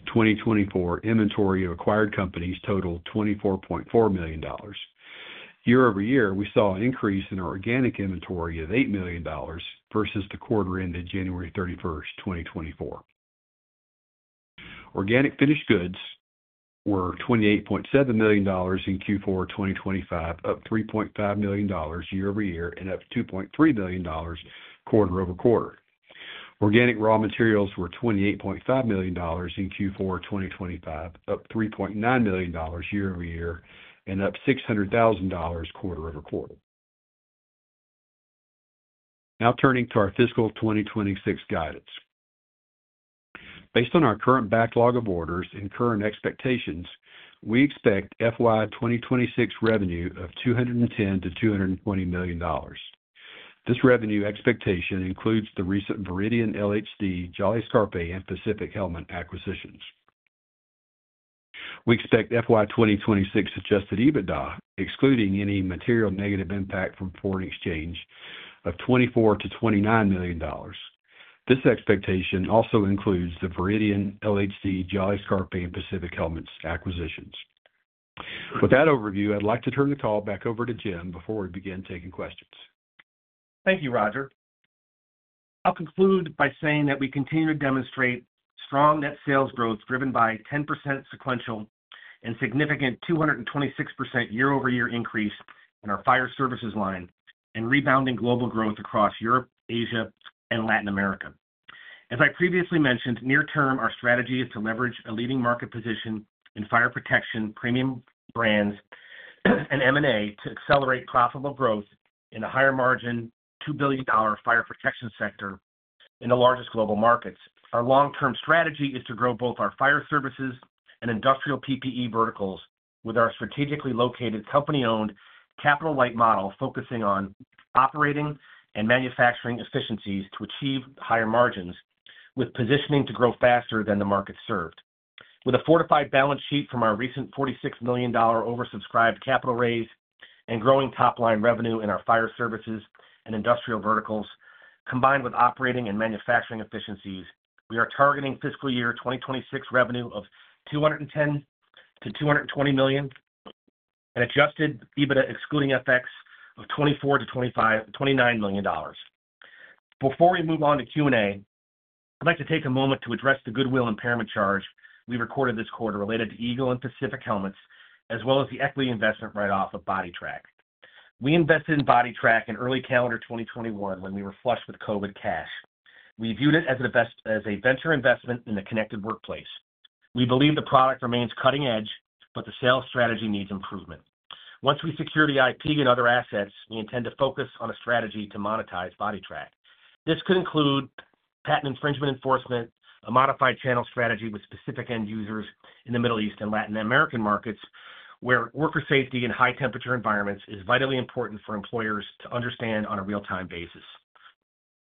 2024, inventory of acquired companies totaled $24.4 million. year-over-year, we saw an increase in our organic inventory of $8 million versus the quarter ended January 31, 2024. Organic finished goods were $28.7 million in Q4 2025, up $3.5 million year-over-year and up $2.3 million quarter over quarter. Organic raw materials were $28.5 million in Q4 2025, up $3.9 million year-over-year and up $600,000 quarter over quarter. Now turning to our fiscal 2026 guidance. Based on our current backlog of orders and current expectations, we expect FY 2026 revenue of $210-$220 million. This revenue expectation includes the recent Veridian, LHD, Jolly Scarpe, and Pacific Helmets acquisitions. We expect FY 2026 adjusted EBITDA, excluding any material negative impact from foreign exchange, of $24-$29 million. This expectation also includes the Veridian, LHD, Jolly Scarpe, and Pacific Helmets acquisitions. With that overview, I'd like to turn the call back over to Jim before we begin taking questions. Thank you, Roger. I'll conclude by saying that we continue to demonstrate strong net sales growth driven by a 10% sequential and significant 226% year-over-year increase in our fire services line and rebounding global growth across Europe, Asia, and Latin America. As I previously mentioned, near-term, our strategy is to leverage a leading market position in fire protection premium brands and M&A to accelerate profitable growth in a higher-margin, $2 billion fire protection sector in the largest global markets. Our long-term strategy is to grow both our fire services and industrial PPE verticals with our strategically located company-owned capital-light model focusing on operating and manufacturing efficiencies to achieve higher margins, with positioning to grow faster than the market served. With a fortified balance sheet from our recent $46 million oversubscribed capital raise and growing top-line revenue in our fire services and industrial verticals, combined with operating and manufacturing efficiencies, we are targeting fiscal year 2026 revenue of $210-$220 million and adjusted EBITDA excluding FX of $24-$29 million. Before we move on to Q&A, I'd like to take a moment to address the goodwill impairment charge we recorded this quarter related to Eagle and Pacific Helmets, as well as the equity investment write-off of Bodytrak. We invested in Bodytrak in early calendar 2021 when we were flush with COVID cash. We viewed it as a venture investment in the connected workplace. We believe the product remains cutting-edge, but the sales strategy needs improvement. Once we secure the IP and other assets, we intend to focus on a strategy to monetize Bodytrak. This could include patent infringement enforcement, a modified channel strategy with specific end users in the Middle East and Latin American markets, where worker safety in high-temperature environments is vitally important for employers to understand on a real-time basis.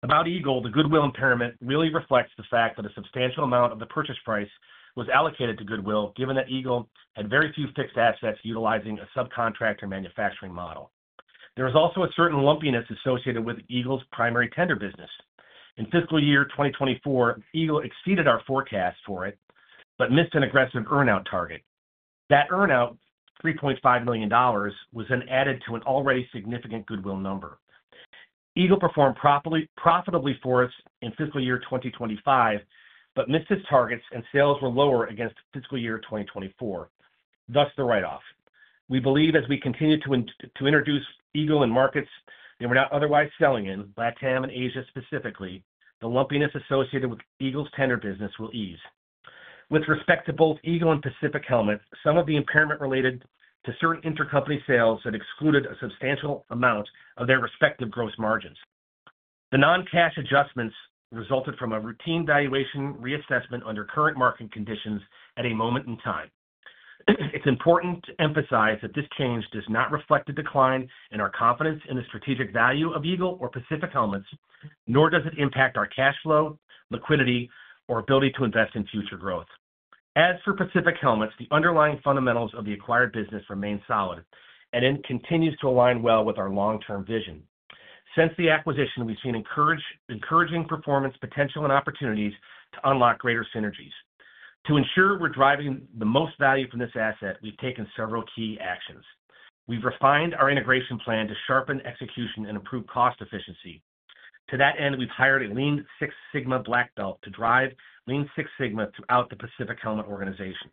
About Eagle, the goodwill impairment really reflects the fact that a substantial amount of the purchase price was allocated to goodwill, given that Eagle had very few fixed assets utilizing a subcontractor manufacturing model. There was also a certain lumpiness associated with Eagle's primary tender business. In fiscal year 2024, Eagle exceeded our forecast for it but missed an aggressive earnout target. That earnout of $3.5 million was then added to an already significant goodwill number. Eagle performed profitably for us in fiscal year 2025 but missed its targets, and sales were lower against fiscal year 2024, thus the write-off. We believe as we continue to introduce Eagle in markets that we're not otherwise selling in, LATAM and Asia specifically, the lumpiness associated with Eagle's tender business will ease. With respect to both Eagle and Pacific Helmets, some of the impairment related to certain intercompany sales had excluded a substantial amount of their respective gross margins. The non-cash adjustments resulted from a routine valuation reassessment under current market conditions at a moment in time. It's important to emphasize that this change does not reflect a decline in our confidence in the strategic value of Eagle or Pacific Helmets, nor does it impact our cash flow, liquidity, or ability to invest in future growth. As for Pacific Helmets, the underlying fundamentals of the acquired business remain solid, and it continues to align well with our long-term vision. Since the acquisition, we've seen encouraging performance potential and opportunities to unlock greater synergies. To ensure we're driving the most value from this asset, we've taken several key actions. We've refined our integration plan to sharpen execution and improve cost efficiency. To that end, we've hired a Lean Six Sigma Black Belt to drive Lean Six Sigma throughout the Pacific Helmets organization.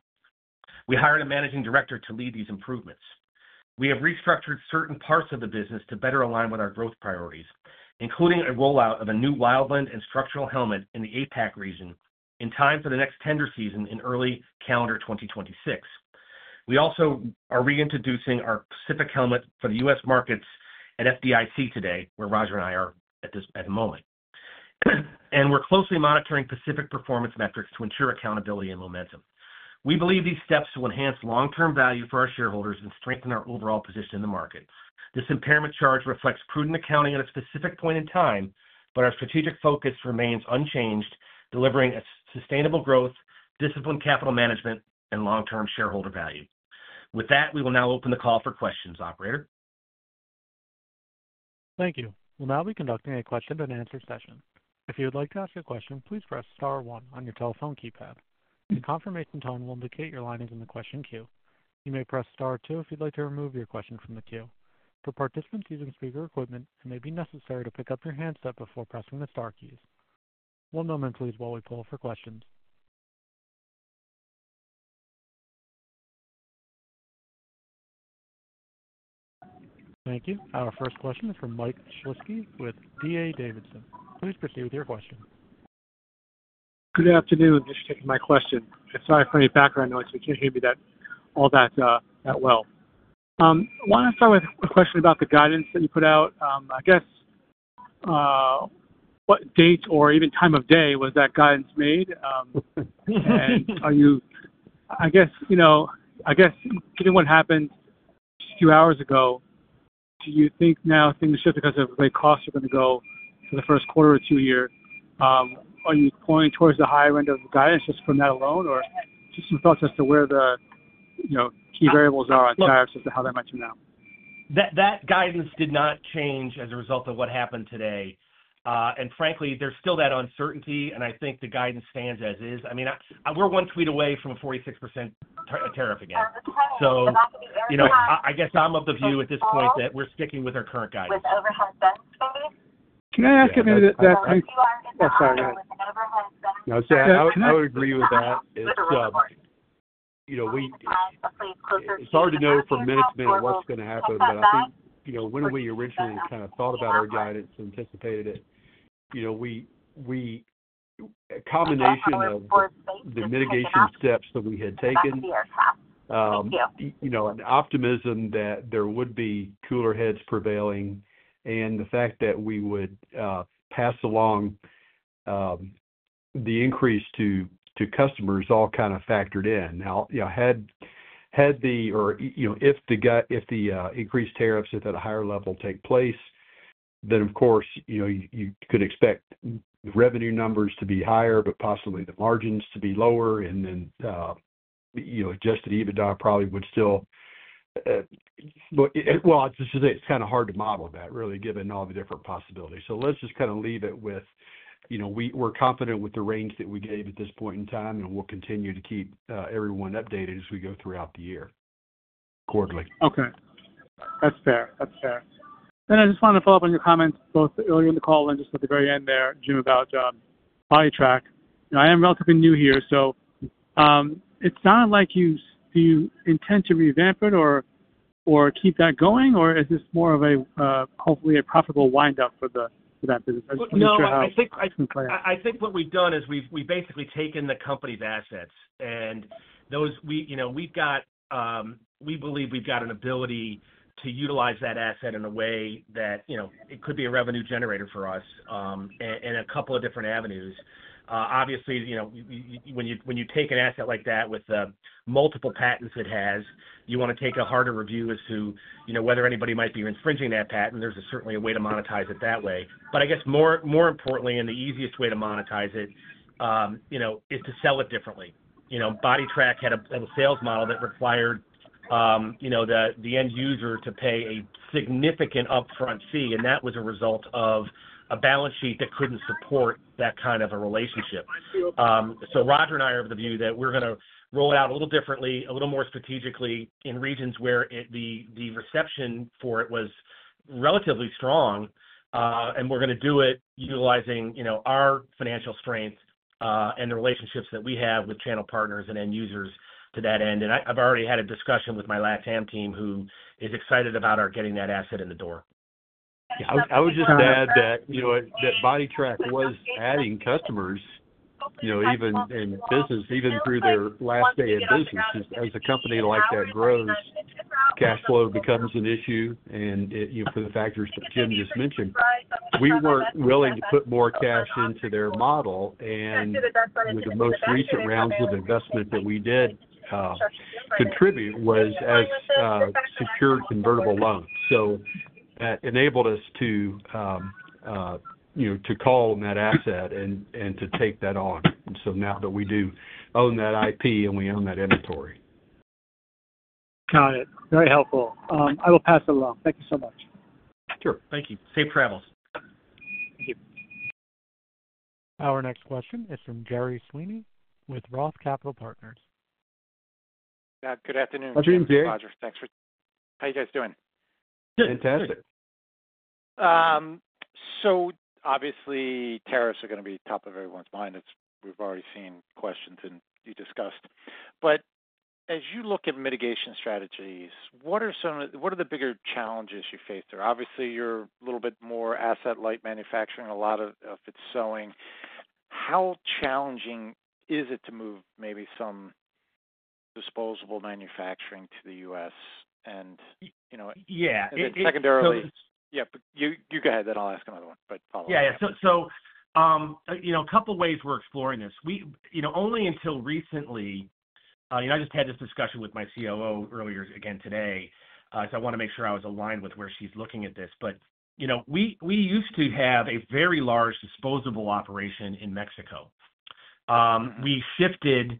We hired a Managing Director to lead these improvements. We have restructured certain parts of the business to better align with our growth priorities, including a rollout of a new Wildland and Structural Helmet in the APAC region in time for the next tender season in early calendar 2026. We also are reintroducing our Pacific Helmet for the U.S. markets at FDIC today, where Roger and I are at the moment. We are closely monitoring Pacific performance metrics to ensure accountability and momentum. We believe these steps will enhance long-term value for our shareholders and strengthen our overall position in the market. This impairment charge reflects prudent accounting at a specific point in time, but our strategic focus remains unchanged, delivering sustainable growth, disciplined capital management, and long-term shareholder value. With that, we will now open the call for questions, operator. Thank you. We'll now be conducting a question-and-answer session. If you would like to ask a question, please press Star 1 on your telephone keypad. The confirmation tone will indicate your line is in the question queue. You may press Star 2 if you'd like to remove your question from the queue. For participants using speaker equipment, it may be necessary to pick up your handset before pressing the Star keys. One moment, please, while we pull up for questions. Thank you. Our first question is from Michael Shlisky with D.A. Davidson. Please proceed with your question. Good afternoon. Just taking my question. Sorry for any background noise. We can't hear you all that well. I want to start with a question about the guidance that you put out. I guess, what date or even time of day was that guidance made? Are you—I guess, given what happened just a few hours ago, do you think now things should, because of the way costs are going to go for the first quarter or two years, are you pointing towards the higher end of the guidance just from that alone, or just some thoughts as to where the key variables are on tariffs as to how they might turn out? That guidance did not change as a result of what happened today. Frankly, there's still that uncertainty, and I think the guidance stands as is. I mean, we're one tweet away from a 46% tariff again. I guess I'm of the view at this point that we're sticking with our current guidance. Can I ask you something? I would agree with that. It's hard to know from minute to minute what's going to happen, but I think when we originally kind of thought about our guidance and anticipated it, we—a combination of the mitigation steps that we had taken, an optimism that there would be cooler heads prevailing, and the fact that we would pass along the increase to customers all kind of factored in. Now, had the—or if the increased tariffs at a higher level take place, then, of course, you could expect revenue numbers to be higher, but possibly the margins to be lower, and then adjusted EBITDA probably would still—I should say it's kind of hard to model that, really, given all the different possibilities. Let's just kind of leave it with we're confident with the range that we gave at this point in time, and we'll continue to keep everyone updated as we go throughout the year accordingly. Okay. That's fair. That's fair. I just wanted to follow up on your comments both earlier in the call and just at the very end there, Jim, about Bodytrak. I am relatively new here, so it sounded like you intend to revamp it or keep that going, or is this more of a, hopefully, a profitable wind-up for that business? I just want to make sure how—I think what we've done is we've basically taken the company's assets, and we believe we've got an ability to utilize that asset in a way that it could be a revenue generator for us in a couple of different avenues. Obviously, when you take an asset like that with multiple patents it has, you want to take a harder review as to whether anybody might be infringing that patent. There's certainly a way to monetize it that way. I guess, more importantly, and the easiest way to monetize it is to sell it differently. Bodytrak had a sales model that required the end user to pay a significant upfront fee, and that was a result of a balance sheet that couldn't support that kind of a relationship. Roger and I are of the view that we're going to roll it out a little differently, a little more strategically in regions where the reception for it was relatively strong, and we're going to do it utilizing our financial strength and the relationships that we have with channel partners and end users to that end. I've already had a discussion with my Latin American team who is excited about our getting that asset in the door. I would just add that Bodytrak was adding customers in business, even through their last day in business. As a company like that grows, cash flow becomes an issue, and for the factors that Jim just mentioned, we weren't willing to put more cash into their model. With the most recent rounds of investment that we did contribute was as secured convertible loans. That enabled us to call on that asset and to take that on. Now that we do own that IP and we own that inventory. Got it. Very helpful. I will pass it along. Thank you so much. Sure. Thank you. Safe travels. Thank you. Our next question is from Gerry Sweeney with Roth Capital Partners. Good afternoon. Good afternoon, Gerry. Roger. Thanks for— how are you guys doing? Good. Fantastic. Obviously, tariffs are going to be top of everyone's mind. We have already seen questions and you discussed. As you look at mitigation strategies, what are the bigger challenges you face there? Obviously, you are a little bit more asset-light manufacturing. A lot of it is sewing. How challenging is it to move maybe some disposable manufacturing to the U.S. and—yeah. Secondarily—yeah. You go ahead. Then I will ask another one, but follow up. Yeah. A couple of ways we're exploring this. Only until recently—I just had this discussion with my COO earlier again today, so I want to make sure I was aligned with where she's looking at this. We used to have a very large disposable operation in Mexico. We shifted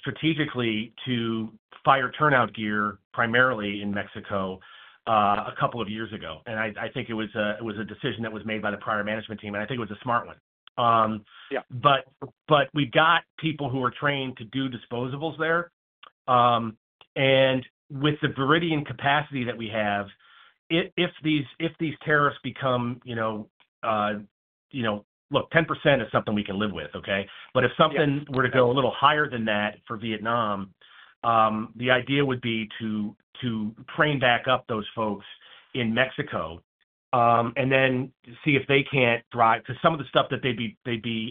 strategically to fire turnout gear primarily in Mexico a couple of years ago. I think it was a decision that was made by the prior management team, and I think it was a smart one. We've got people who are trained to do disposables there. With the Veridian capacity that we have, if these tariffs become—look, 10% is something we can live with, okay? If something were to go a little higher than that for Vietnam, the idea would be to train back up those folks in Mexico and then see if they can't drive because some of the stuff that they'd be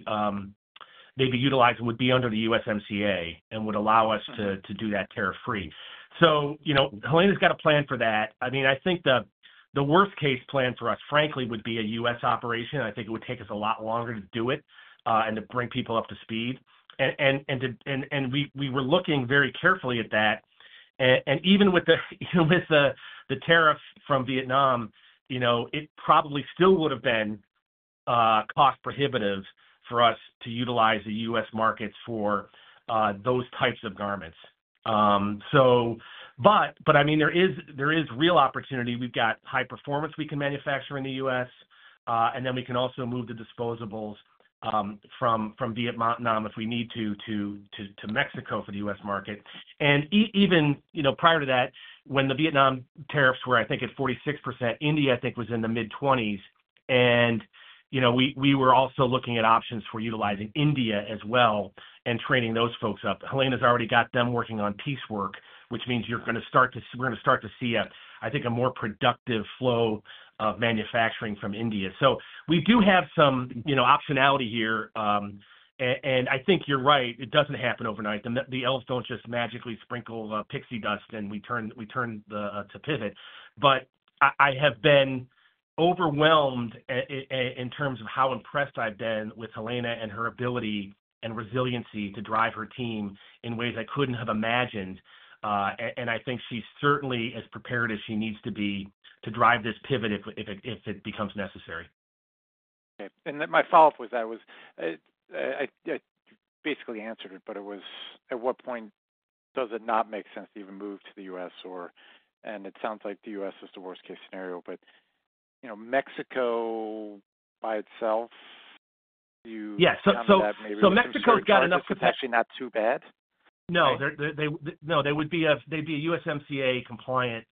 utilizing would be under the USMCA and would allow us to do that tariff-free. Helena's got a plan for that. I mean, I think the worst-case plan for us, frankly, would be a U.S. operation. I think it would take us a lot longer to do it and to bring people up to speed. We were looking very carefully at that. Even with the tariff from Vietnam, it probably still would have been cost-prohibitive for us to utilize the U.S. markets for those types of garments. I mean, there is real opportunity. We've got high-performance we can manufacture in the U.S., and then we can also move the disposables from Vietnam if we need to to Mexico for the U.S. market. Even prior to that, when the Vietnam tariffs were, I think, at 46%, India, I think, was in the mid-20s. We were also looking at options for utilizing India as well and training those folks up. Helena's already got them working on piecework, which means you're going to start to—we're going to start to see, I think, a more productive flow of manufacturing from India. We do have some optionality here. I think you're right. It doesn't happen overnight. The elves don't just magically sprinkle pixie dust and we turn to pivot. I have been overwhelmed in terms of how impressed I've been with Helena and her ability and resiliency to drive her team in ways I couldn't have imagined. I think she certainly is prepared as she needs to be to drive this pivot if it becomes necessary. Okay. My follow-up with that was I basically answered it, but it was at what point does it not make sense to even move to the U.S.? It sounds like the U.S. is the worst-case scenario, but Mexico by itself, do you have that maybe? Yeah. Mexico's got enough capacity. Is that actually not too bad? No. No. They'd be a USMCA-compliant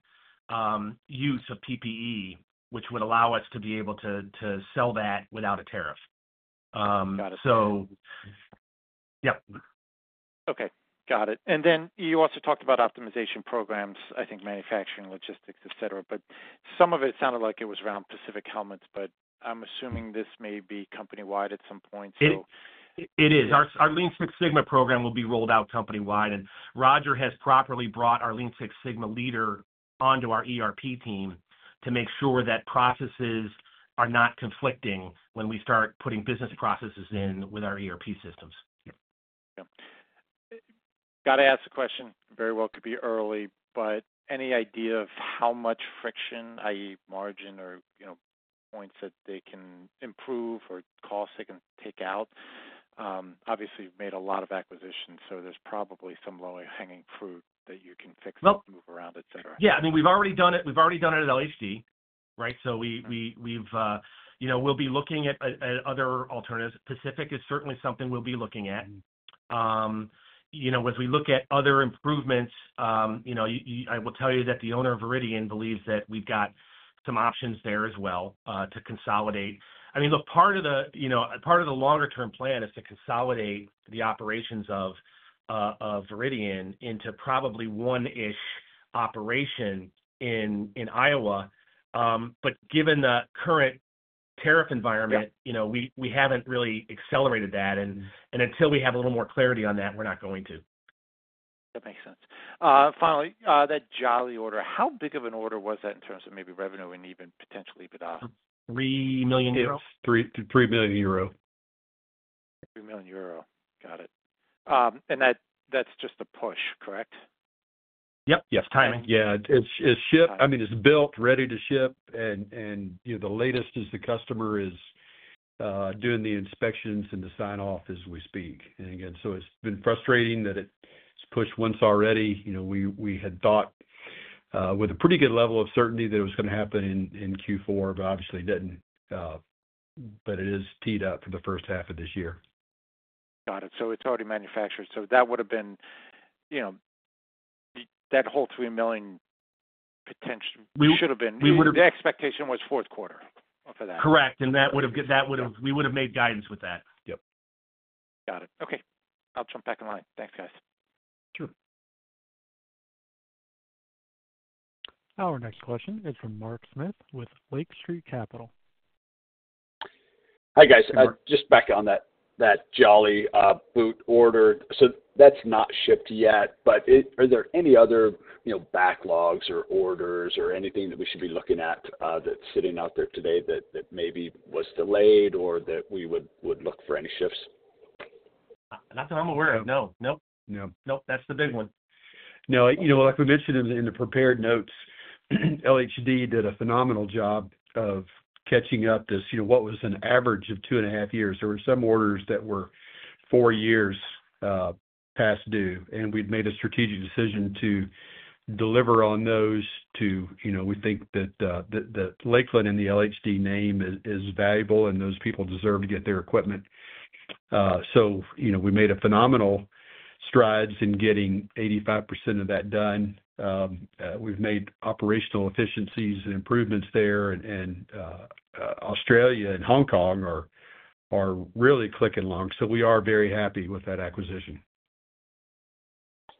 use of PPE, which would allow us to be able to sell that without a tariff. Yeah. Okay. Got it. You also talked about optimization programs, I think, manufacturing logistics, etc. Some of it sounded like it was around Pacific Helmets, but I'm assuming this may be company-wide at some point. It is. Our Lean Six Sigma program will be rolled out company-wide. Roger has properly brought our Lean Six Sigma leader onto our ERP team to make sure that processes are not conflicting when we start putting business processes in with our ERP systems. Got to ask the question. Very well could be early, but any idea of how much friction, i.e., margin or points that they can improve or costs they can take out? Obviously, you've made a lot of acquisitions, so there's probably some low-hanging fruit that you can fix and move around, etc. Yeah. I mean, we've already done it. We've already done it at LHD, right? We'll be looking at other alternatives. Pacific is certainly something we'll be looking at. As we look at other improvements, I will tell you that the owner of Veridian believes that we've got some options there as well to consolidate. I mean, look, part of the part of the longer-term plan is to consolidate the operations of Veridian into probably one-ish operation in Iowa. Given the current tariff environment, we haven't really accelerated that. Until we have a little more clarity on that, we're not going to. That makes sense. Finally, that Jolly order, how big of an order was that in terms of maybe revenue and even potential EBITDA? 3 million euros. 3 million euro. 3 million euro. Got it. And that's just the push, correct? Yep. Yes. Timing. Yeah. I mean, it's built, ready to ship, and the latest is the customer is doing the inspections and the sign-off as we speak. Again, it's been frustrating that it's pushed once already. We had thought with a pretty good level of certainty that it was going to happen in Q4, but obviously it didn't. It is teed up for the first half of this year. Got it. It's already manufactured. That whole $3 million should have been—the expectation was fourth quarter for that. Correct. That would have—we would have made guidance with that. Yep. Got it. Okay. I'll jump back in line. Thanks, guys. Sure. Our next question is from Mark Smith with Lake Street Capital. Hi, guys. Just back on that Jolly boot order. That's not shipped yet, but are there any other backlogs or orders or anything that we should be looking at that's sitting out there today that maybe was delayed or that we would look for any shifts? Not that I'm aware of. No. No. No. That's the big one. No. Like we mentioned in the prepared notes, LHD did a phenomenal job of catching up this. What was an average of two and a half years? There were some orders that were four years past due, and we'd made a strategic decision to deliver on those to—we think that Lakeland and the LHD name is valuable, and those people deserve to get their equipment. So we made a phenomenal stride in getting 85% of that done. We've made operational efficiencies and improvements there, and Australia and Hong Kong are really clicking along. We are very happy with that acquisition.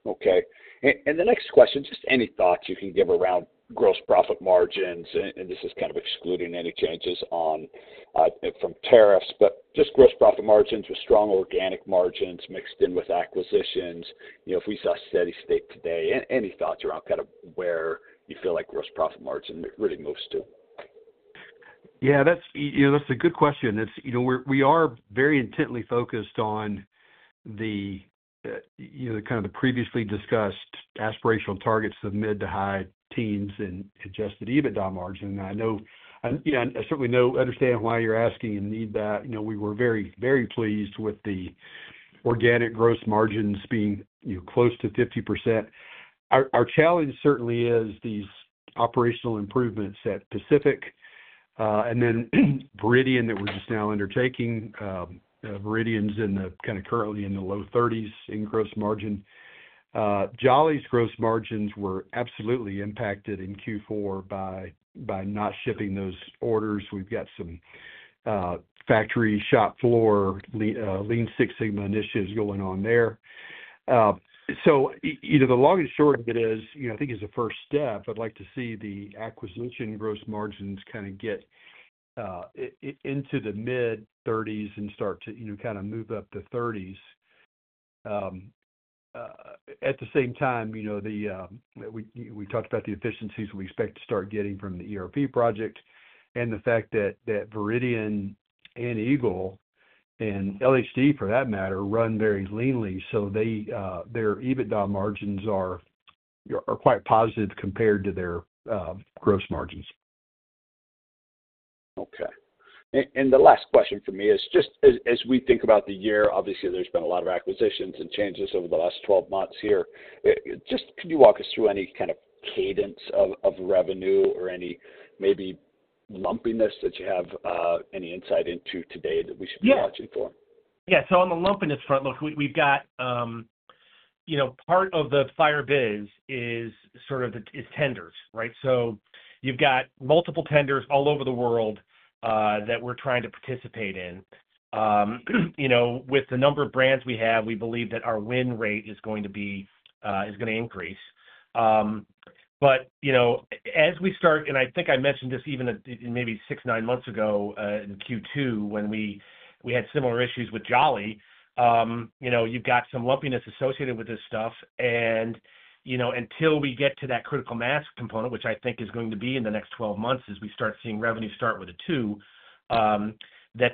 Okay. The next question, just any thoughts you can give around gross profit margins, and this is kind of excluding any changes from tariffs, but just gross profit margins with strong organic margins mixed in with acquisitions. If we saw steady state today, any thoughts around kind of where you feel like gross profit margin really moves to? Yeah. That's a good question. We are very intently focused on the kind of the previously discussed aspirational targets of mid to high teens in adjusted EBITDA margin. I certainly understand why you're asking and need that. We were very, very pleased with the organic gross margins being close to 50%. Our challenge certainly is these operational improvements at Pacific and then Veridian that we're just now undertaking. Veridian's kind of currently in the low 30s in gross margin. Jolly's gross margins were absolutely impacted in Q4 by not shipping those orders. We've got some factory shop floor Lean Six Sigma initiatives going on there. The long and short of it is, I think as a first step, I'd like to see the acquisition gross margins kind of get into the mid-30% and start to kind of move up the 30%. At the same time, we talked about the efficiencies we expect to start getting from the ERP project and the fact that Veridian and Eagle and LHD, for that matter, run very leanly. Their EBITDA margins are quite positive compared to their gross margins. Okay. The last question for me is just as we think about the year, obviously, there's been a lot of acquisitions and changes over the last 12 months here. Just can you walk us through any kind of cadence of revenue or any maybe lumpiness that you have any insight into today that we should be watching for? Yeah. On the lumpiness front, look, we've got part of the fire biz is sort of tenders, right? You've got multiple tenders all over the world that we're trying to participate in. With the number of brands we have, we believe that our win rate is going to increase. As we start—I think I mentioned this even maybe six, nine months ago in Q2 when we had similar issues with Jolly—you've got some lumpiness associated with this stuff. Until we get to that critical mass component, which I think is going to be in the next 12 months as we start seeing revenue start with a two, that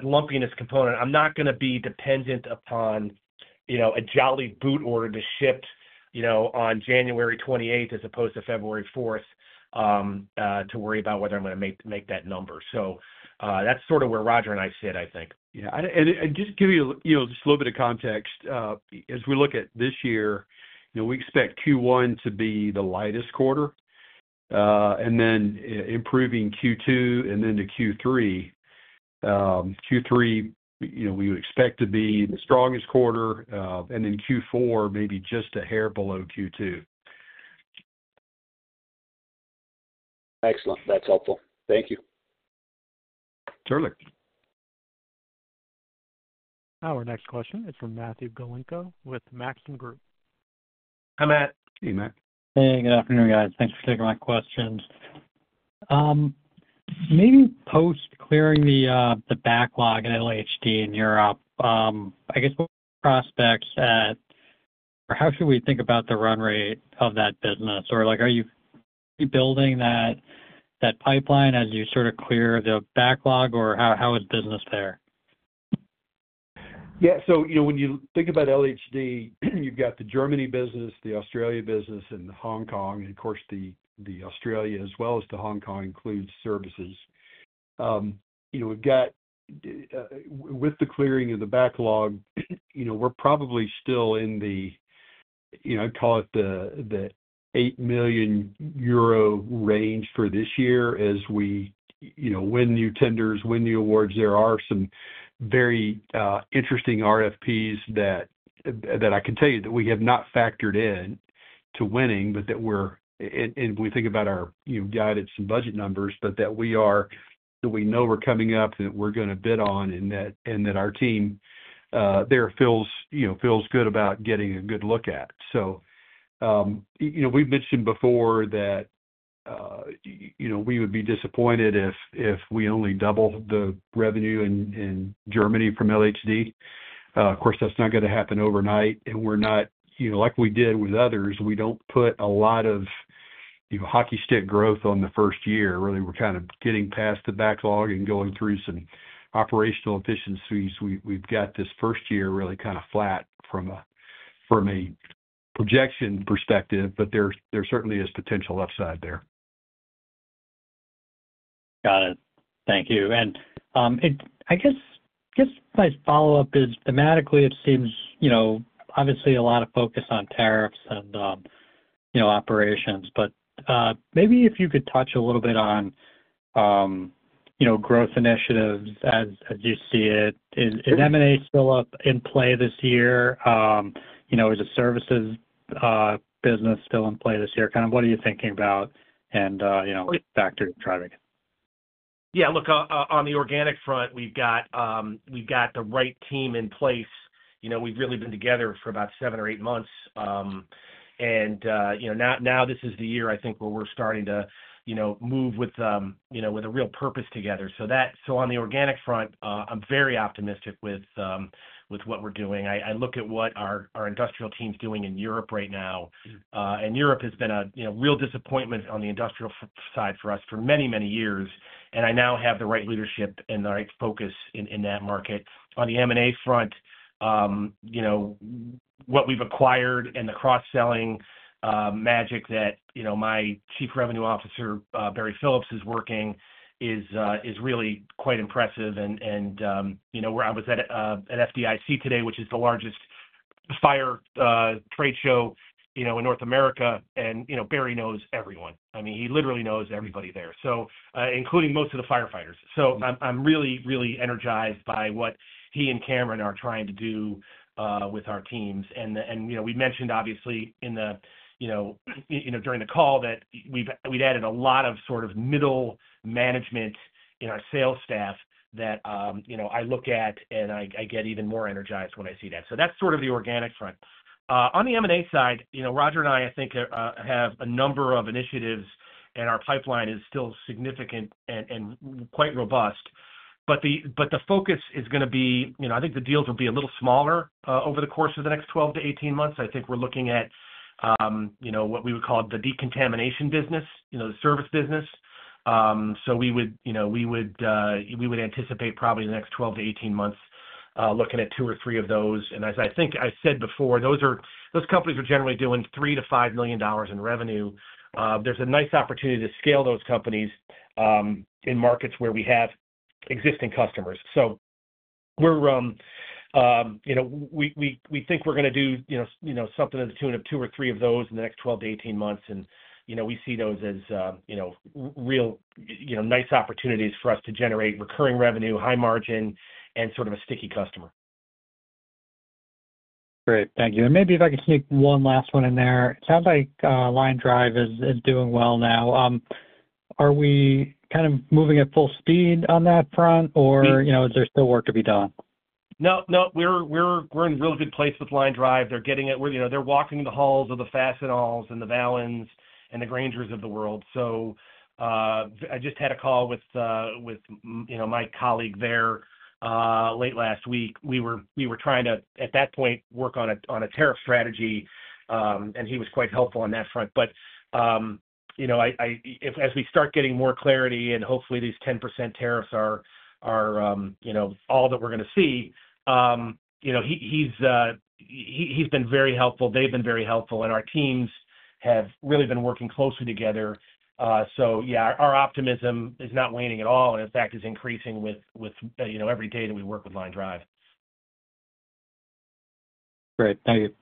lumpiness component, I'm not going to be dependent upon a Jolly boot order to ship on January 28 as opposed to February 4 to worry about whether I'm going to make that number. That's sort of where Roger and I sit, I think. Yeah. Just to give you a little bit of context. As we look at this year, we expect Q1 to be the lightest quarter, and then improving Q2, and then to Q3. Q3, we would expect to be the strongest quarter, and then Q4 maybe just a hair below Q2. Excellent. That's helpful. Thank you. Certainly. Our next question is from Matthew Galinko with Maxim Group. Hi, Matt. Hey, Matt. Hey. Good afternoon, guys. Thanks for taking my questions. Maybe post-clearing the backlog at LHD in Europe, I guess what are the prospects at—or how should we think about the run rate of that business? Are you building that pipeline as you sort of clear the backlog, or how is business there? Yeah. When you think about LHD, you've got the Germany business, the Australia business, and Hong Kong. Of course, the Australia as well as the Hong Kong includes services. With the clearing of the backlog, we're probably still in the, I'd call it the 8 million euro range for this year as we win new tenders, win new awards. There are some very interesting RFPs that I can tell you that we have not factored in to winning, but that we're—and we think about our guidance and budget numbers—but that we know are coming up and that we're going to bid on and that our team there feels good about getting a good look at. We have mentioned before that we would be disappointed if we only double the revenue in Germany from LHD. Of course, that's not going to happen overnight. We are not like we did with others. We do not put a lot of hockey stick growth on the first year. Really, we are kind of getting past the backlog and going through some operational efficiencies. We have got this first year really kind of flat from a projection perspective, but there certainly is potential upside there. Got it. Thank you. I guess my follow-up is, thematically, it seems obviously a lot of focus on tariffs and operations, but maybe if you could touch a little bit on growth initiatives as you see it. Is M&A still in play this year? Is a services business still in play this year? Kind of what are you thinking about and factors driving it? Yeah. Look, on the organic front, we've got the right team in place. We've really been together for about seven or eight months. This is the year, I think, where we're starting to move with a real purpose together. On the organic front, I'm very optimistic with what we're doing. I look at what our industrial team's doing in Europe right now. Europe has been a real disappointment on the industrial side for us for many, many years. I now have the right leadership and the right focus in that market. On the M&A front, what we've acquired and the cross-selling magic that my Chief Revenue Officer, Barry Phillips, is working is really quite impressive. I was at FDIC today, which is the largest fire trade show in North America. Barry knows everyone. I mean, he literally knows everybody there, including most of the firefighters. I am really, really energized by what he and Cameron are trying to do with our teams. We mentioned, obviously, during the call that we've added a lot of sort of middle management in our sales staff that I look at, and I get even more energized when I see that. That is sort of the organic front. On the M&A side, Roger and I, I think, have a number of initiatives, and our pipeline is still significant and quite robust. The focus is going to be I think the deals will be a little smaller over the course of the next 12-18 months. I think we're looking at what we would call the decontamination business, the service business. We would anticipate probably the next 12-18 months looking at two or three of those. As I think I said before, those companies are generally doing $3-5 million in revenue. There's a nice opportunity to scale those companies in markets where we have existing customers. We think we're going to do something in the tune of two or three of those in the next 12-18 months. We see those as real nice opportunities for us to generate recurring revenue, high margin, and sort of a sticky customer. Great. Thank you. Maybe if I could sneak one last one in there. It sounds like LineDrive is doing well now. Are we kind of moving at full speed on that front, or is there still work to be done? No, no. We're in a really good place with LineDrive. They're getting it. They're walking the halls of the Fastenals and the Vallens and the Graingers of the world. I just had a call with my colleague there late last week. We were trying to, at that point, work on a tariff strategy, and he was quite helpful on that front. As we start getting more clarity and hopefully these 10% tariffs are all that we're going to see, he's been very helpful. They've been very helpful. Our teams have really been working closely together. Yeah, our optimism is not waning at all. In fact, it's increasing with every day that we work with LineDrive. Great. Thank you.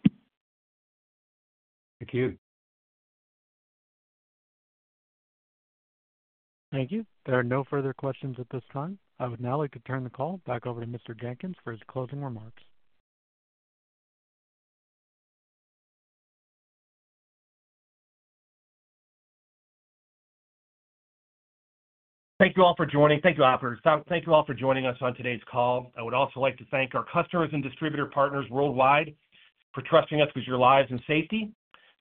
Thank you. There are no further questions at this time. I would now like to turn the call back over to Mr. Jenkins for his closing remarks. Thank you all for joining. Thank you all for joining us on today's call. I would also like to thank our customers and distributor partners worldwide for trusting us with your lives and safety.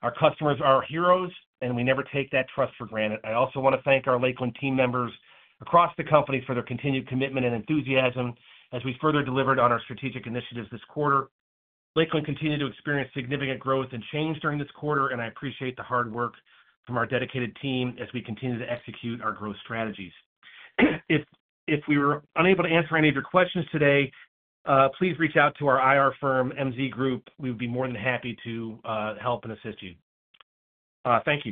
Our customers are heroes, and we never take that trust for granted. I also want to thank our Lakeland team members across the company for their continued commitment and enthusiasm as we further delivered on our strategic initiatives this quarter. Lakeland continued to experience significant growth and change during this quarter, and I appreciate the hard work from our dedicated team as we continue to execute our growth strategies. If we were unable to answer any of your questions today, please reach out to our IR firm, MZ Group. We would be more than happy to help and assist you. Thank you.